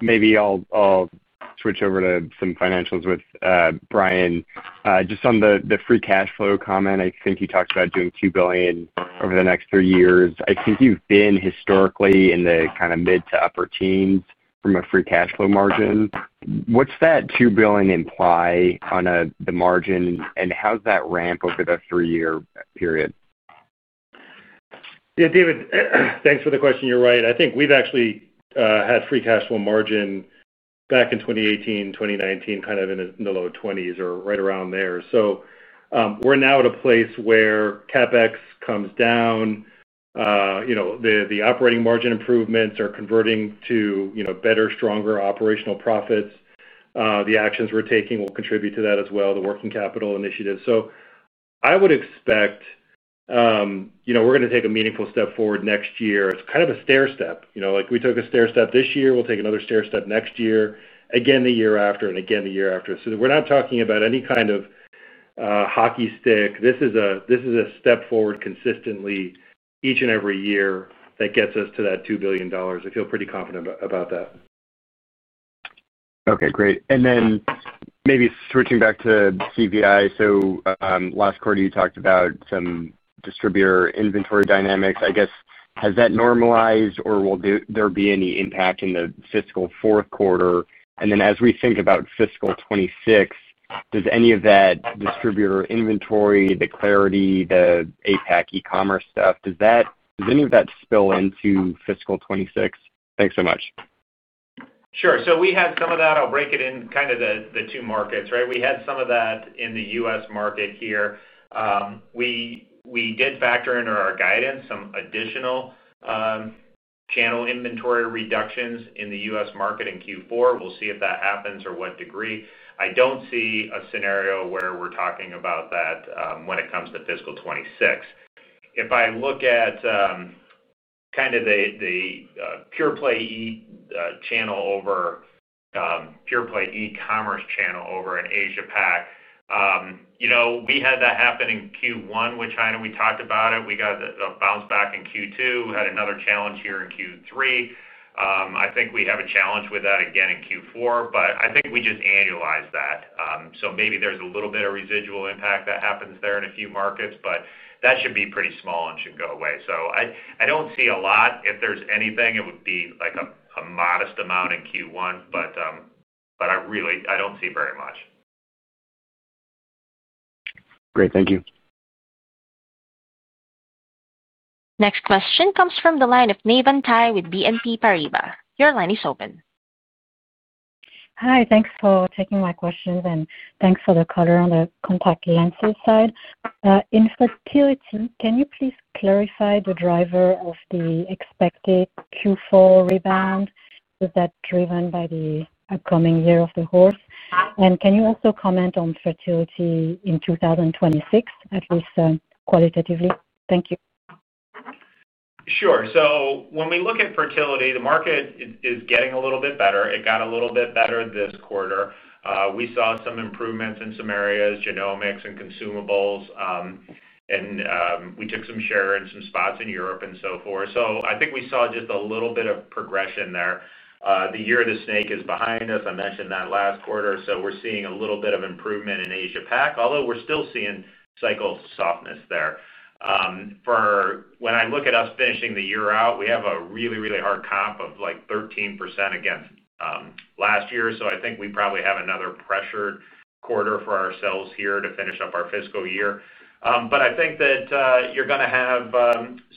Maybe I'll switch over to some financials with Brian. Just on the free cash flow comment, I think you talked about doing $2 billion over the next three years. I think you've been historically in the mid to upper teens from a free cash flow margin. What's that $2 billion imply on the margin, and how does that ramp over the three-year period? David, thanks for the question. You're right. I think we've actually had free cash flow margin back in 2018, 2019, kind of in the low 20s or right around there. We're now at a place where CapEx comes down. The operating margin improvements are converting to better, stronger operational profits. The actions we're taking will contribute to that as well as the working capital initiatives. I would expect we're going to take a meaningful step forward next year. It's kind of a stair step, like we took a stair step this year, we'll take another stair step next year, again the year after and again the year after. We're not talking about any kind of hockey stick. This is a step forward consistently each and every year that gets us to that $2 billion. I feel pretty confident about that. Okay, great. Maybe switching back to CooperVision. Last quarter you talked about some distributor inventory dynamics, I guess, has that normalized or will there be any impact in the fiscal fourth quarter? As we think about fiscal 26, does any of that distributor inventory, the clariti, the Asia-Pacific pure-play e-commerce stuff, does that, does any of that spill into fiscal 2026? Thanks so much. Sure. We have some of that. I'll break it into the two markets. Right. We had some of that in the U.S. market here. We did factor into our guidance some additional channel inventory reductions in the U.S. market in Q4. We'll see if that happens or what degree. I don't see a scenario where we're talking about that when it comes to fiscal 2026. If I look at the pure-play e-commerce channel over at Asia-Pacific, we had that happen in Q1 with China. We talked about it. We got a bounce back in Q2, had another challenge here in Q3. I think we have a challenge with that again in Q4, but I think we just annualized that. Maybe there's a little bit of residual impact that happens there in a few markets, but that should be pretty small and should go away. I don't see a lot. If there's anything, it would be like a modest amount in Q1, but I really don't see very much. Great. Thank you. Next question comes from the line of Navann Ty Dietschi with BNP Paribas Exane. Your line is open. Hi, thanks for taking my questions. Thanks for the color on the contact lenses side in fertility. Can you please clarify the driver of the expected Q4 rebound? Was that driven by the upcoming year of the horse? Can you also comment on fertility in 2026, at least qualitatively? Thank you. Sure. When we look at fertility, the market is getting a little bit better. It got a little bit better this quarter. We saw some improvements in some areas, genomics and consumables, and we took some share in some spots in Europe and so forth. I think we saw just a little bit of progression there. The year of the snake is behind us. I mentioned that last quarter. We're seeing a little bit of improvement in Asia-Pacific, although we're still seeing cycle softness there. When I look at us finishing the year out, we have a really, really hard comp of like 13% again last year. I think we probably have another pressured quarter for ourselves here to finish up our fiscal year. I think that you're going to have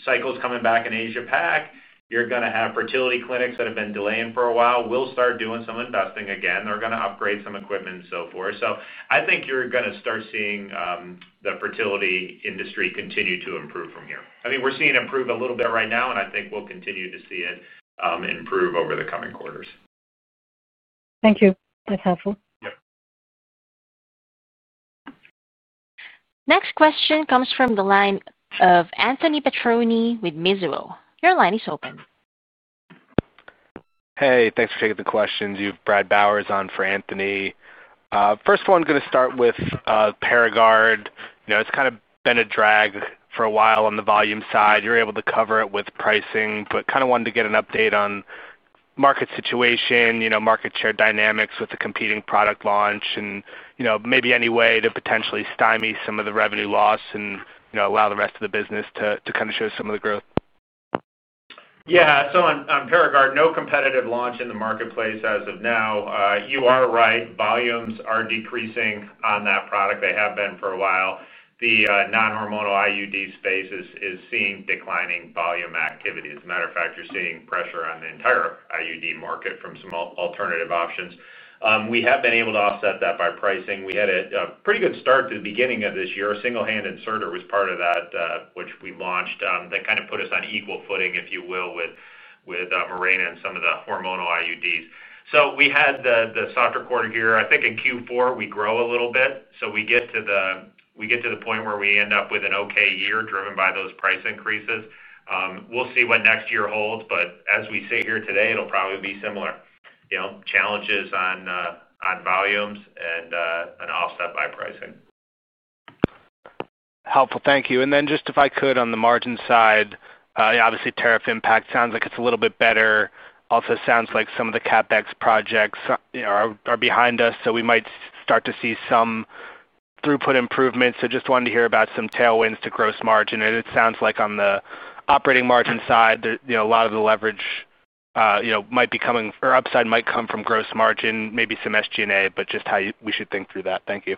cycles coming back in Asia-Pacific. You're going to have fertility clinics that have been delaying for a while start doing some investing again. They're going to upgrade some equipment and so forth. I think you're going to start seeing the fertility industry continue to improve from here. We're seeing it improve a little bit right now and I think we'll continue to see it improve over the coming quarters. Thank you. That's helpful. Next question comes from the line of Anthony Petroni with Mizuho Securities USA LLC. Your line is open. Hey, thanks for taking the questions. Bradley Thomas Bowers on for Anthony, first one. Going to start with Paragard. It's been a drag for a while on the volume side. You're able to cover it with pricing, but wanted to get an update on market situation, market share dynamics with the competing product launch. Maybe any way to potentially stymie some of the revenue loss, allow the rest of the business to kind of show some of the growth. Yeah. On Paragard, no competitive launch in the marketplace as of now. You are right. Volumes are decreasing on that product. They have been for a while. The non-hormonal IUD space is seeing declining volume activity. As a matter of fact, you're seeing pressure on the entire IUD market from some alternative options. We have been able to offset that by pricing. We had a pretty good start to the beginning of this year single handed. SERTA was part of that, which we launched. That kind of put us on equal footing, if you will, with Mirena and some of the hormonal IUDs. We had the softer quarter here. I think in Q4 we grow a little bit so we get to the point where we end up with an okay year driven by those price increases. We'll see what next year holds. As we sit here today, it'll probably be similar challenges on volumes and an offset by pricing. Helpful. Thank you. Just if I could, on the margin side, obviously tariff impacts sounds like it's a little bit better. Also sounds like some of the CapEx projects are behind us, so we might start to see some throughput improvements. I just wanted to hear about some tailwinds to gross margin. It sounds like on the operating margin side a lot of the leverage might be coming or upside might come from gross margin, maybe some SG&A. Just how we should think through that. Thank you.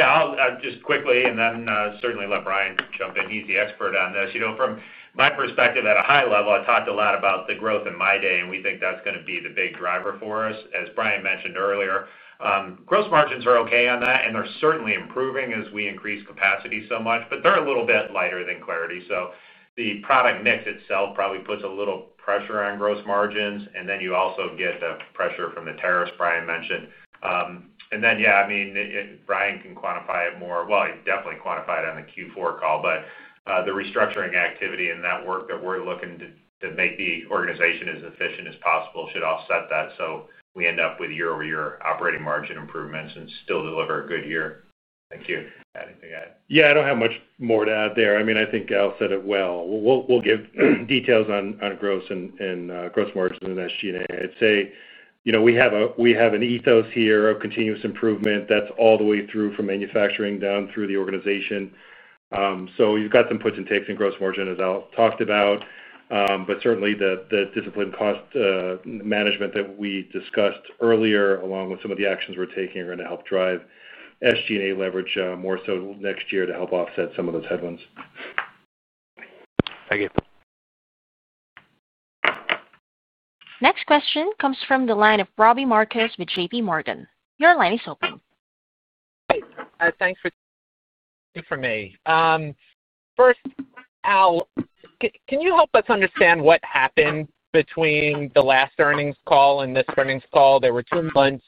I'll just quickly and then certainly let Brian jump in. He's the expert on this. You know, from my perspective at a high level, I talked a lot about the growth in MyDay and we think that's going to be the big driver for us. As Brian mentioned earlier, gross margins are okay on that and they're certainly improving as we increase capacity so much, but they're a little bit lighter than clariti. The product mix itself probably puts a little pressure on gross margins. You also get pressure from the tariffs Brian mentioned. Brian can quantify it more. He definitely quantified on the Q4 call. The restructuring activity and that work that we're looking to make the organization as efficient as possible should offset that, so we end up with year-over-year operating margin improvements and still deliver a good year. Thank you. Add anything? Yeah, I don't have much more to add there. I mean, I think Al said it well. We'll give details on gross and gross margins and SG&A. I'd say, you know, we have an ethos here of continuous improvement that's all the way through from manufacturing down through the organization. You've got some puts and takes in gross margin as Al talked about. Certainly the disciplined cost management that we discussed earlier, along with some of the actions we're taking, are going to help drive SG&A leverage more so next year to help offset some of those headwinds. Next question comes from the line of Robert Justin Marcus with JPMorgan Chase & Co. Your line is open. Thanks for me. First, Al, can you help us understand? What happened between the last earnings call and this earnings call? There were two months,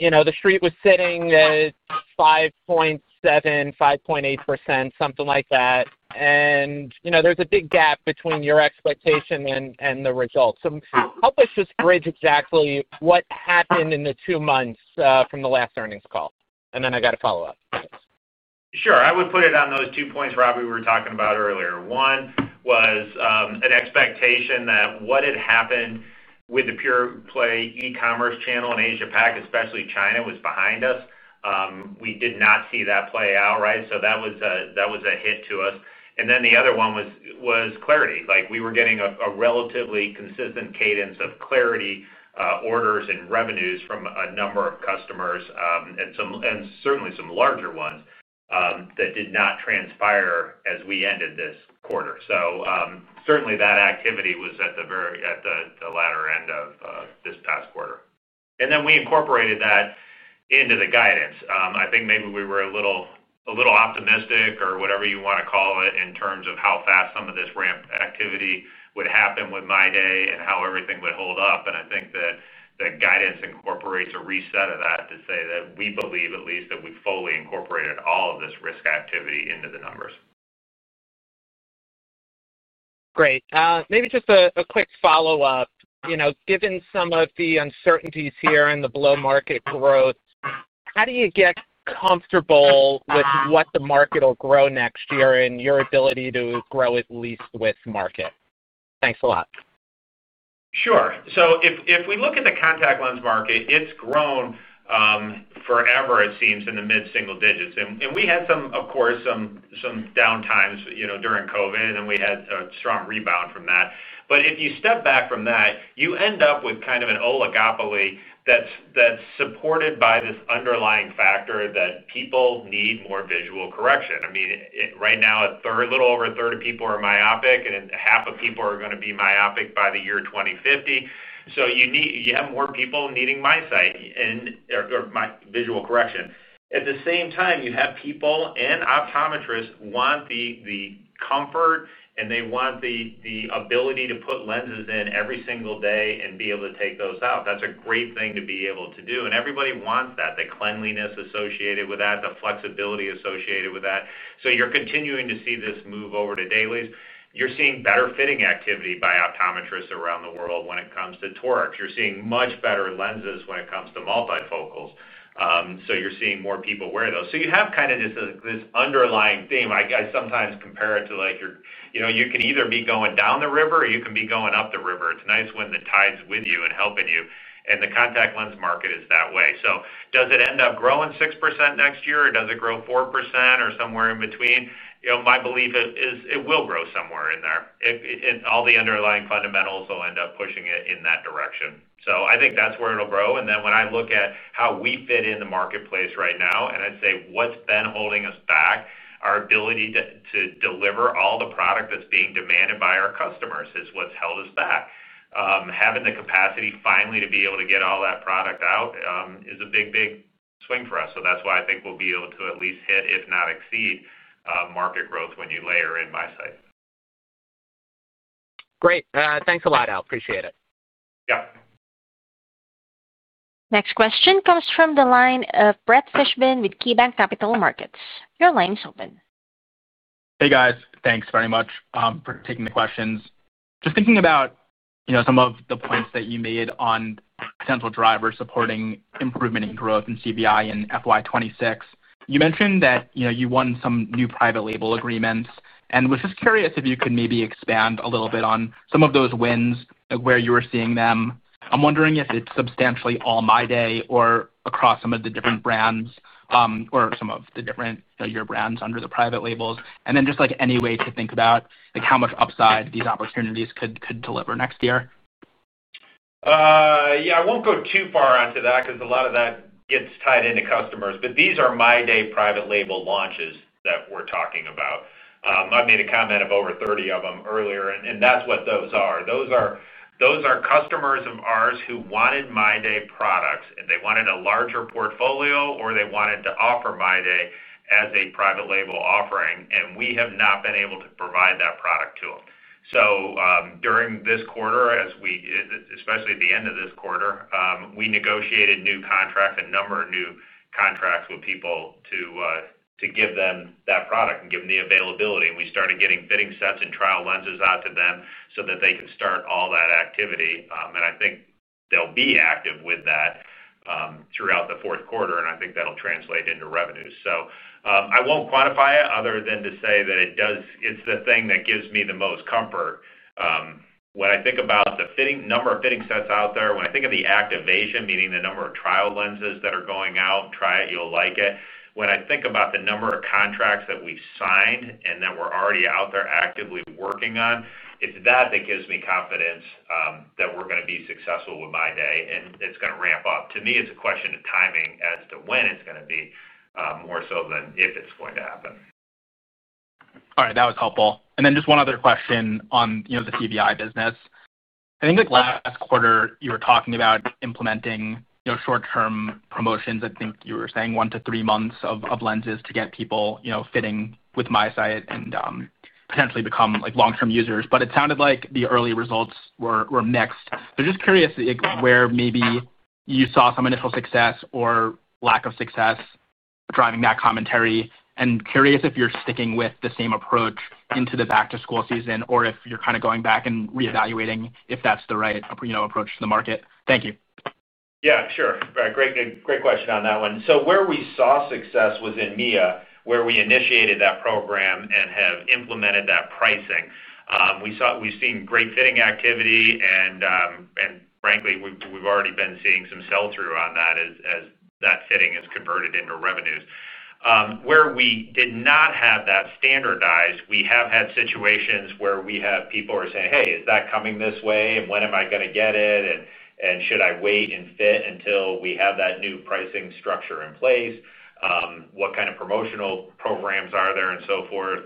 you know, the street was sitting at 5.3%, 5.8%, something like that. You know there's a big gap between your expectation and the results. Help us just bridge exactly what happened in the two months from the last earnings call. I got a follow up. Sure. I would put it on those two points, Robbie, we were talking about earlier. One was an expectation that what had happened with the pure-play e-commerce channel in Asia-Pacific, especially China, was behind us. We did not see that play out right. That was a hit to us. The other one was clariti. We were getting a relatively consistent cadence of clariti orders and revenues from a number of customers and certainly some larger ones that did not transpire as we ended this quarter. That activity was at the latter end of this past quarter. We incorporated that into the guidance. I think maybe we were a little optimistic or whatever you want to call it in terms of how fast some of this ramp activity would happen with MyDay and how everything would hold up. I think that the guidance incorporates a reset of that to say that we believe at least that we fully incorporated all of this risk activity into the numbers. Great. Maybe just a quick follow up. Given some of the uncertainties here and the below market growth, how do you get comfortable with what the market will grow next year and your ability to grow at least with market. Thanks a lot. Sure. If we look at the contact lens market, it's grown forever it seems in the mid single digits and we had some, of course, some downtimes during COVID and we had a strong rebound from that. If you step back from that, you end up with kind of an oligopoly that's supported by this underlying factor that people need more visual correction. Right now, a little over a third of people are myopic, and half of people are going to be myopic by the year 2050. You have more people needing my sight or visual correction. At the same time, you have people and optometrists want the comfort and they want the ability to put lenses in every single day and be able to take those out. That's a great thing to be able to do, and everybody wants that. The cleanliness associated with that, the flexibility associated with that. You are continuing to see this move over to dailies. You're seeing better fitting activity by optometrists around the world when it comes to toric. You're seeing much better lenses when it comes to multifocals. You're seeing more people wear those. You have kind of this underlying theme I sometimes compare it to, like you could either be going down the river or you can be going up the river. It's nice when the tide's with you and helping you. The contact lens market is that way. Does it end up growing 6% next year, or does it grow 4% or somewhere in between? My belief is it will grow somewhere in there. All the underlying fundamentals will end up pushing it in that direction. I think that's where it'll grow. When I look at how we fit in the marketplace right now, and I'd say what's been holding us back, our ability to deliver all the product that's being demanded by our customers is what's held us back. Having the capacity finally to be able to get all that product out is a big, big swing for us. That's why I think we'll be able to at least hit, if not exceed, market growth when you layer in MiSight. Great. Thanks a lot, Al. Appreciate it. Yeah. Next question comes from the line of Brett Adam Fishbin with KeyBanc Capital Markets Inc. Your line's open. Hey, guys, thanks very much for taking the questions. Just thinking about some of the points that you made on central drivers supporting improvement in growth in CVI in FY 2026. You mentioned that you won some new private label agreements and was just curious if you could maybe expand a little bit on some of those wins, where you were seeing them. I'm wondering if it's substantially all MyDay or across some of the different brands or some of your different brands under the private labels, and then just like any way to think about how much upside these opportunities could deliver next year. Yeah, I won't go too far onto that is because a lot of that gets tied into customers. These are MyDay private label launches that we're talking about. I made a comment of over 30 of them earlier and that's what those are. Those are customers of ours who wanted MyDay products. They wanted a larger portfolio or they wanted to offer MyDay as a private label offering. We have not been able to provide that product to them. During this quarter, especially at the end of this quarter, we negotiated a number of new contracts with people to give them that product and give them the availability. We started getting fitting sets and trial lenses out to them so that they can start all that activity. I think they'll be active with that throughout the fourth quarter and I think that'll translate into revenues. I won't quantify it other than to say that it does. It's the thing that gives me the most comfort when I think about the number of fitting sets out there. When I think of the activation, meaning the number of trial lenses that are going out. Try it, you'll like it. When I think about the number of contracts that we've signed and that we're already out there actively working on, it's that that gives me confidence that we're going to be successful with MyDay and it's going to ramp up. To me, it's a question of timing as to when it's going to be more so than if it's going to happen. All right, that was helpful. Just one other question on the TBI business. I think last quarter you were talking about implementing short term promotions. I think you were saying one to three months of lenses to get people fitting with MiSight and potentially become long term users. It sounded like the early results were mixed. I'm just curious where maybe you saw some initial success or lack of success driving that commentary and curious if you're sticking with the same approach into the back to school season or if you're going back and reevaluating if that's the right approach to the market. Thank you. Yeah, sure, great question on that one. Where we saw success was in EMEA, where we initiated that program and have implemented that pricing. We've seen great fitting activity, and frankly, we've already been seeing some sell-through on that as that fitting is converted into revenues. Where we did not have that standardized, we have had situations where people are saying, hey, is that coming this way and when am I going to get it? Should I wait and fit until we have that new pricing structure in place, what kind of promotional programs are there, and so forth?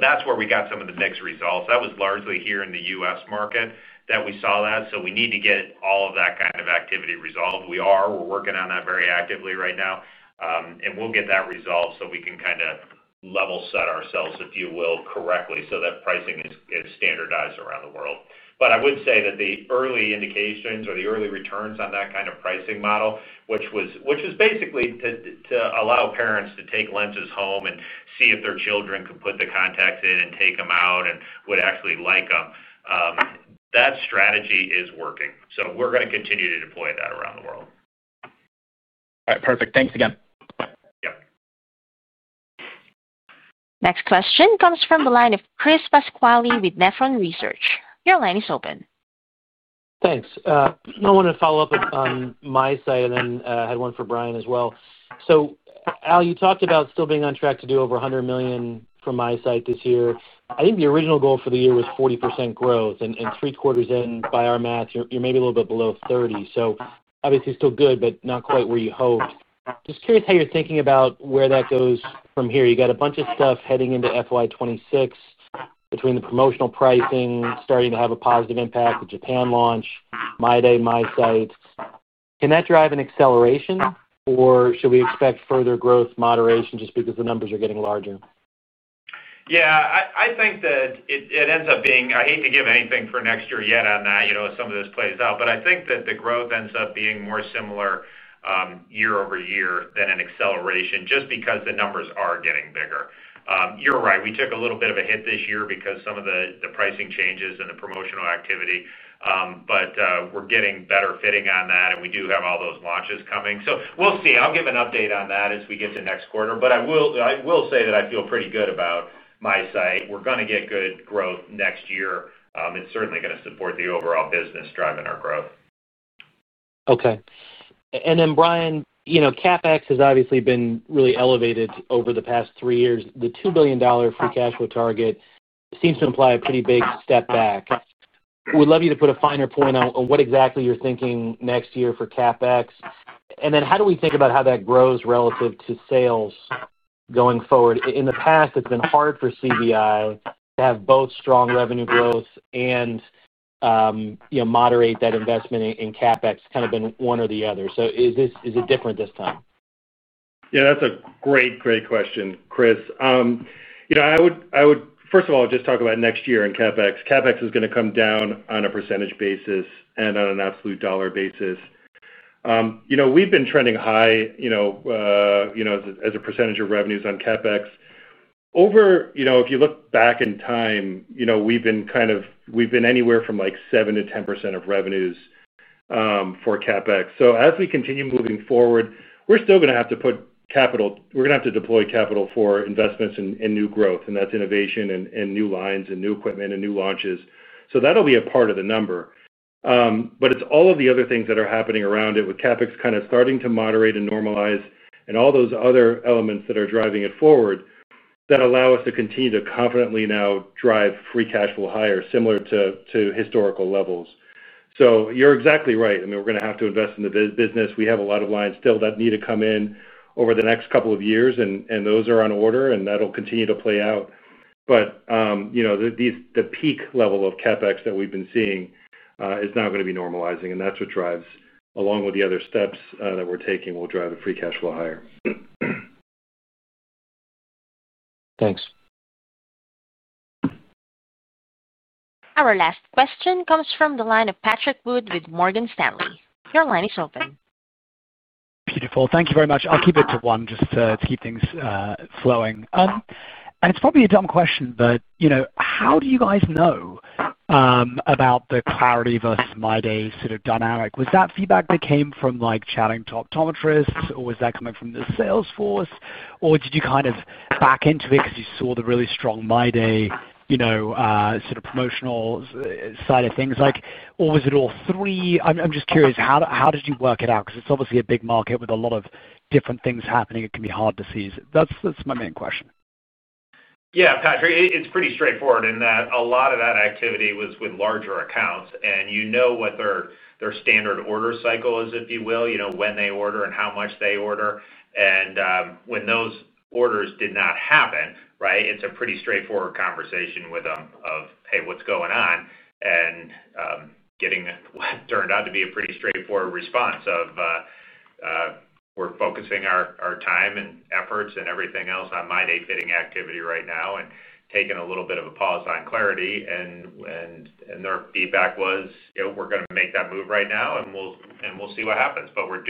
That's where we got some of the mixed results. That was largely here in the U.S. market that we saw that. We need to get all of that kind of activity resolved. We're working on that very actively right now and we'll get that resolved so we can kind of level set ourselves, if you will, correctly, so that pricing is standardized around the world. I would say that the early indications or the early returns on that kind of pricing model, which is basically to allow parents to take lenses home and see if their children could put the contacts in and take them out and would actually like them, that strategy is working. We're going to continue to deploy that around the world. All right, perfect. Thanks again. Yeah. Next question comes from the line of Christopher Thomas Pasquale with Nephron Research. Your line is open. Thanks. I want to follow up on MiSight. I had one for Brian as well. Al, you talked about still being on track to do over $100 million from MiSight this year. I think the original goal for the year was 40% growth and three quarters. By our math, you're maybe a little bit below 30%. Obviously still good, but not quite where you hoped. Just curious how you're thinking about where that goes from here. You got a bunch of stuff heading into FY 2026 between the promotional pricing starting to have a positive impact, the Japan launch, MyDay, MiSight. Can that drive an acceleration or should we expect further growth moderation just because the numbers are getting larger? I think that it ends up being, I hate to give anything for next year yet on that. Some of this plays out, but I think that the growth ends up being more similar year-over-year than an acceleration just because the numbers are getting bigger. You're right. We took a little bit of a hit this year because of some of the pricing changes and the promotional activity. We're getting better fitting on that and we do have all those launches coming, so we'll see. I'll give an update on that as we get to next quarter. I will say that I feel pretty good about MiSight. We're going to get good growth next year. It's certainly going to support the overall business driving our growth. Okay. Brian, CapEx has obviously been really elevated over the past three years. The $2 billion free cash flow target seems to imply a pretty big step back. We'd love you to put a finer point on what exactly you're thinking next year for CapEx. How do we think about how that grows relative to sales going forward? In the past, it's been hard for CooperVision to have both strong revenue growth and moderate that investment in CapEx, kind of been one or the other. Is it different this time? Yeah, that's a great, great question, Chris. I would first of all just talk about next year and CapEx. CapEx is going to come down on a percentage basis and on an absolute dollar basis. We've been trending high as a percentage of revenues on CapEx over, if you look back in time, we've been kind of anywhere from like 7%-10% of revenues for CapEx. As we continue moving forward, we're still going to have to put capital, we're going to have to deploy capital for investments and new growth and that's innovation and new lines and new equipment and new launches. That'll be a part of the number. It's all of the other things that are happening around it with CapEx kind of starting to moderate and normalize and all those other elements that are driving it forward that allow us to continue to confidently now drive free cash flow higher, similar to historical levels. You're exactly right. We're going to have to invest in the business. We have a lot of lines still that need to come in over the next couple of years and those are on order and that'll continue to play out. The peak level of CapEx that we've been seeing is now going to be normalizing and that's what drives, along with the other steps that we're taking, will drive the free cash flow higher. Thanks. Our last question comes from the line of Patrick Andrew Robert Wood with Morgan Stanley. Your line is open. Beautiful. Thank you very much. I'll keep it to one just to keep things flowing. It's probably a dumb question, but you know how do you guys know about the clariti versus MyDay sort of dynamic? Was that feedback that came from chatting to optometrists, or was that coming from the salesforce, or did you kind of back into it because you saw the really strong MyDay, you know, sort of emotional side of things? Was it all three? I'm just curious, how did you work it out? Because it's obviously a big market with a lot of different things happening, it can be hard to seize. That's my main question. Yeah, Patrick, it's pretty straightforward in that a lot of that activity was with larger accounts and you know what their standard order cycle is, if you will. You know when they order and how much they order and when those orders did not happen. It's a pretty straightforward conversation with them of, hey, what's going on? Getting what turned out to be a pretty straightforward response of we're focusing our time and efforts and everything else on MyDay fitting activity right now and taking a little bit of a pause on clariti. Their feedback was we're going to make that move right now and we'll see what happens. We're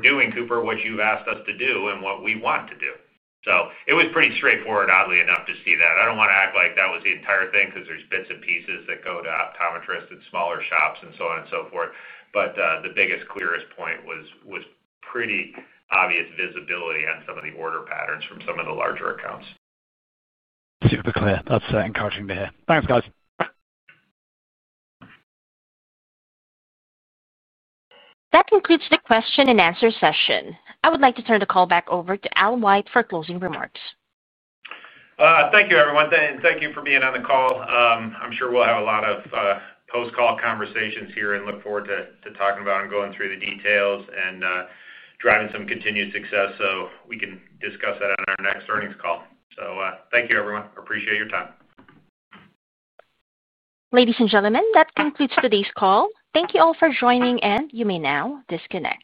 doing, Cooper, what you've asked us to do and what we want to do. It was pretty straightforward, oddly enough to see that. I don't want to act like that was the entire thing because there's bits and pieces that go to optometrists and smaller shops and so on and so forth. The biggest, clearest point was pretty obvious visibility on some of the order patterns from some of the larger accounts. Super clear. That's encouraging to hear. Thanks, guys. That concludes the question and answer session. I would like to turn the call back over to Al White for closing remarks. Thank you, everyone. Thank you for being on the call. I'm sure we'll have a lot of post call conversations here and look forward to talking about and going through the details and driving some continued success. We can discuss that on our next earnings call. Thank you, everyone. Appreciate your time. Ladies and gentlemen, that concludes today's call. Thank you all for joining, and you may now disconnect.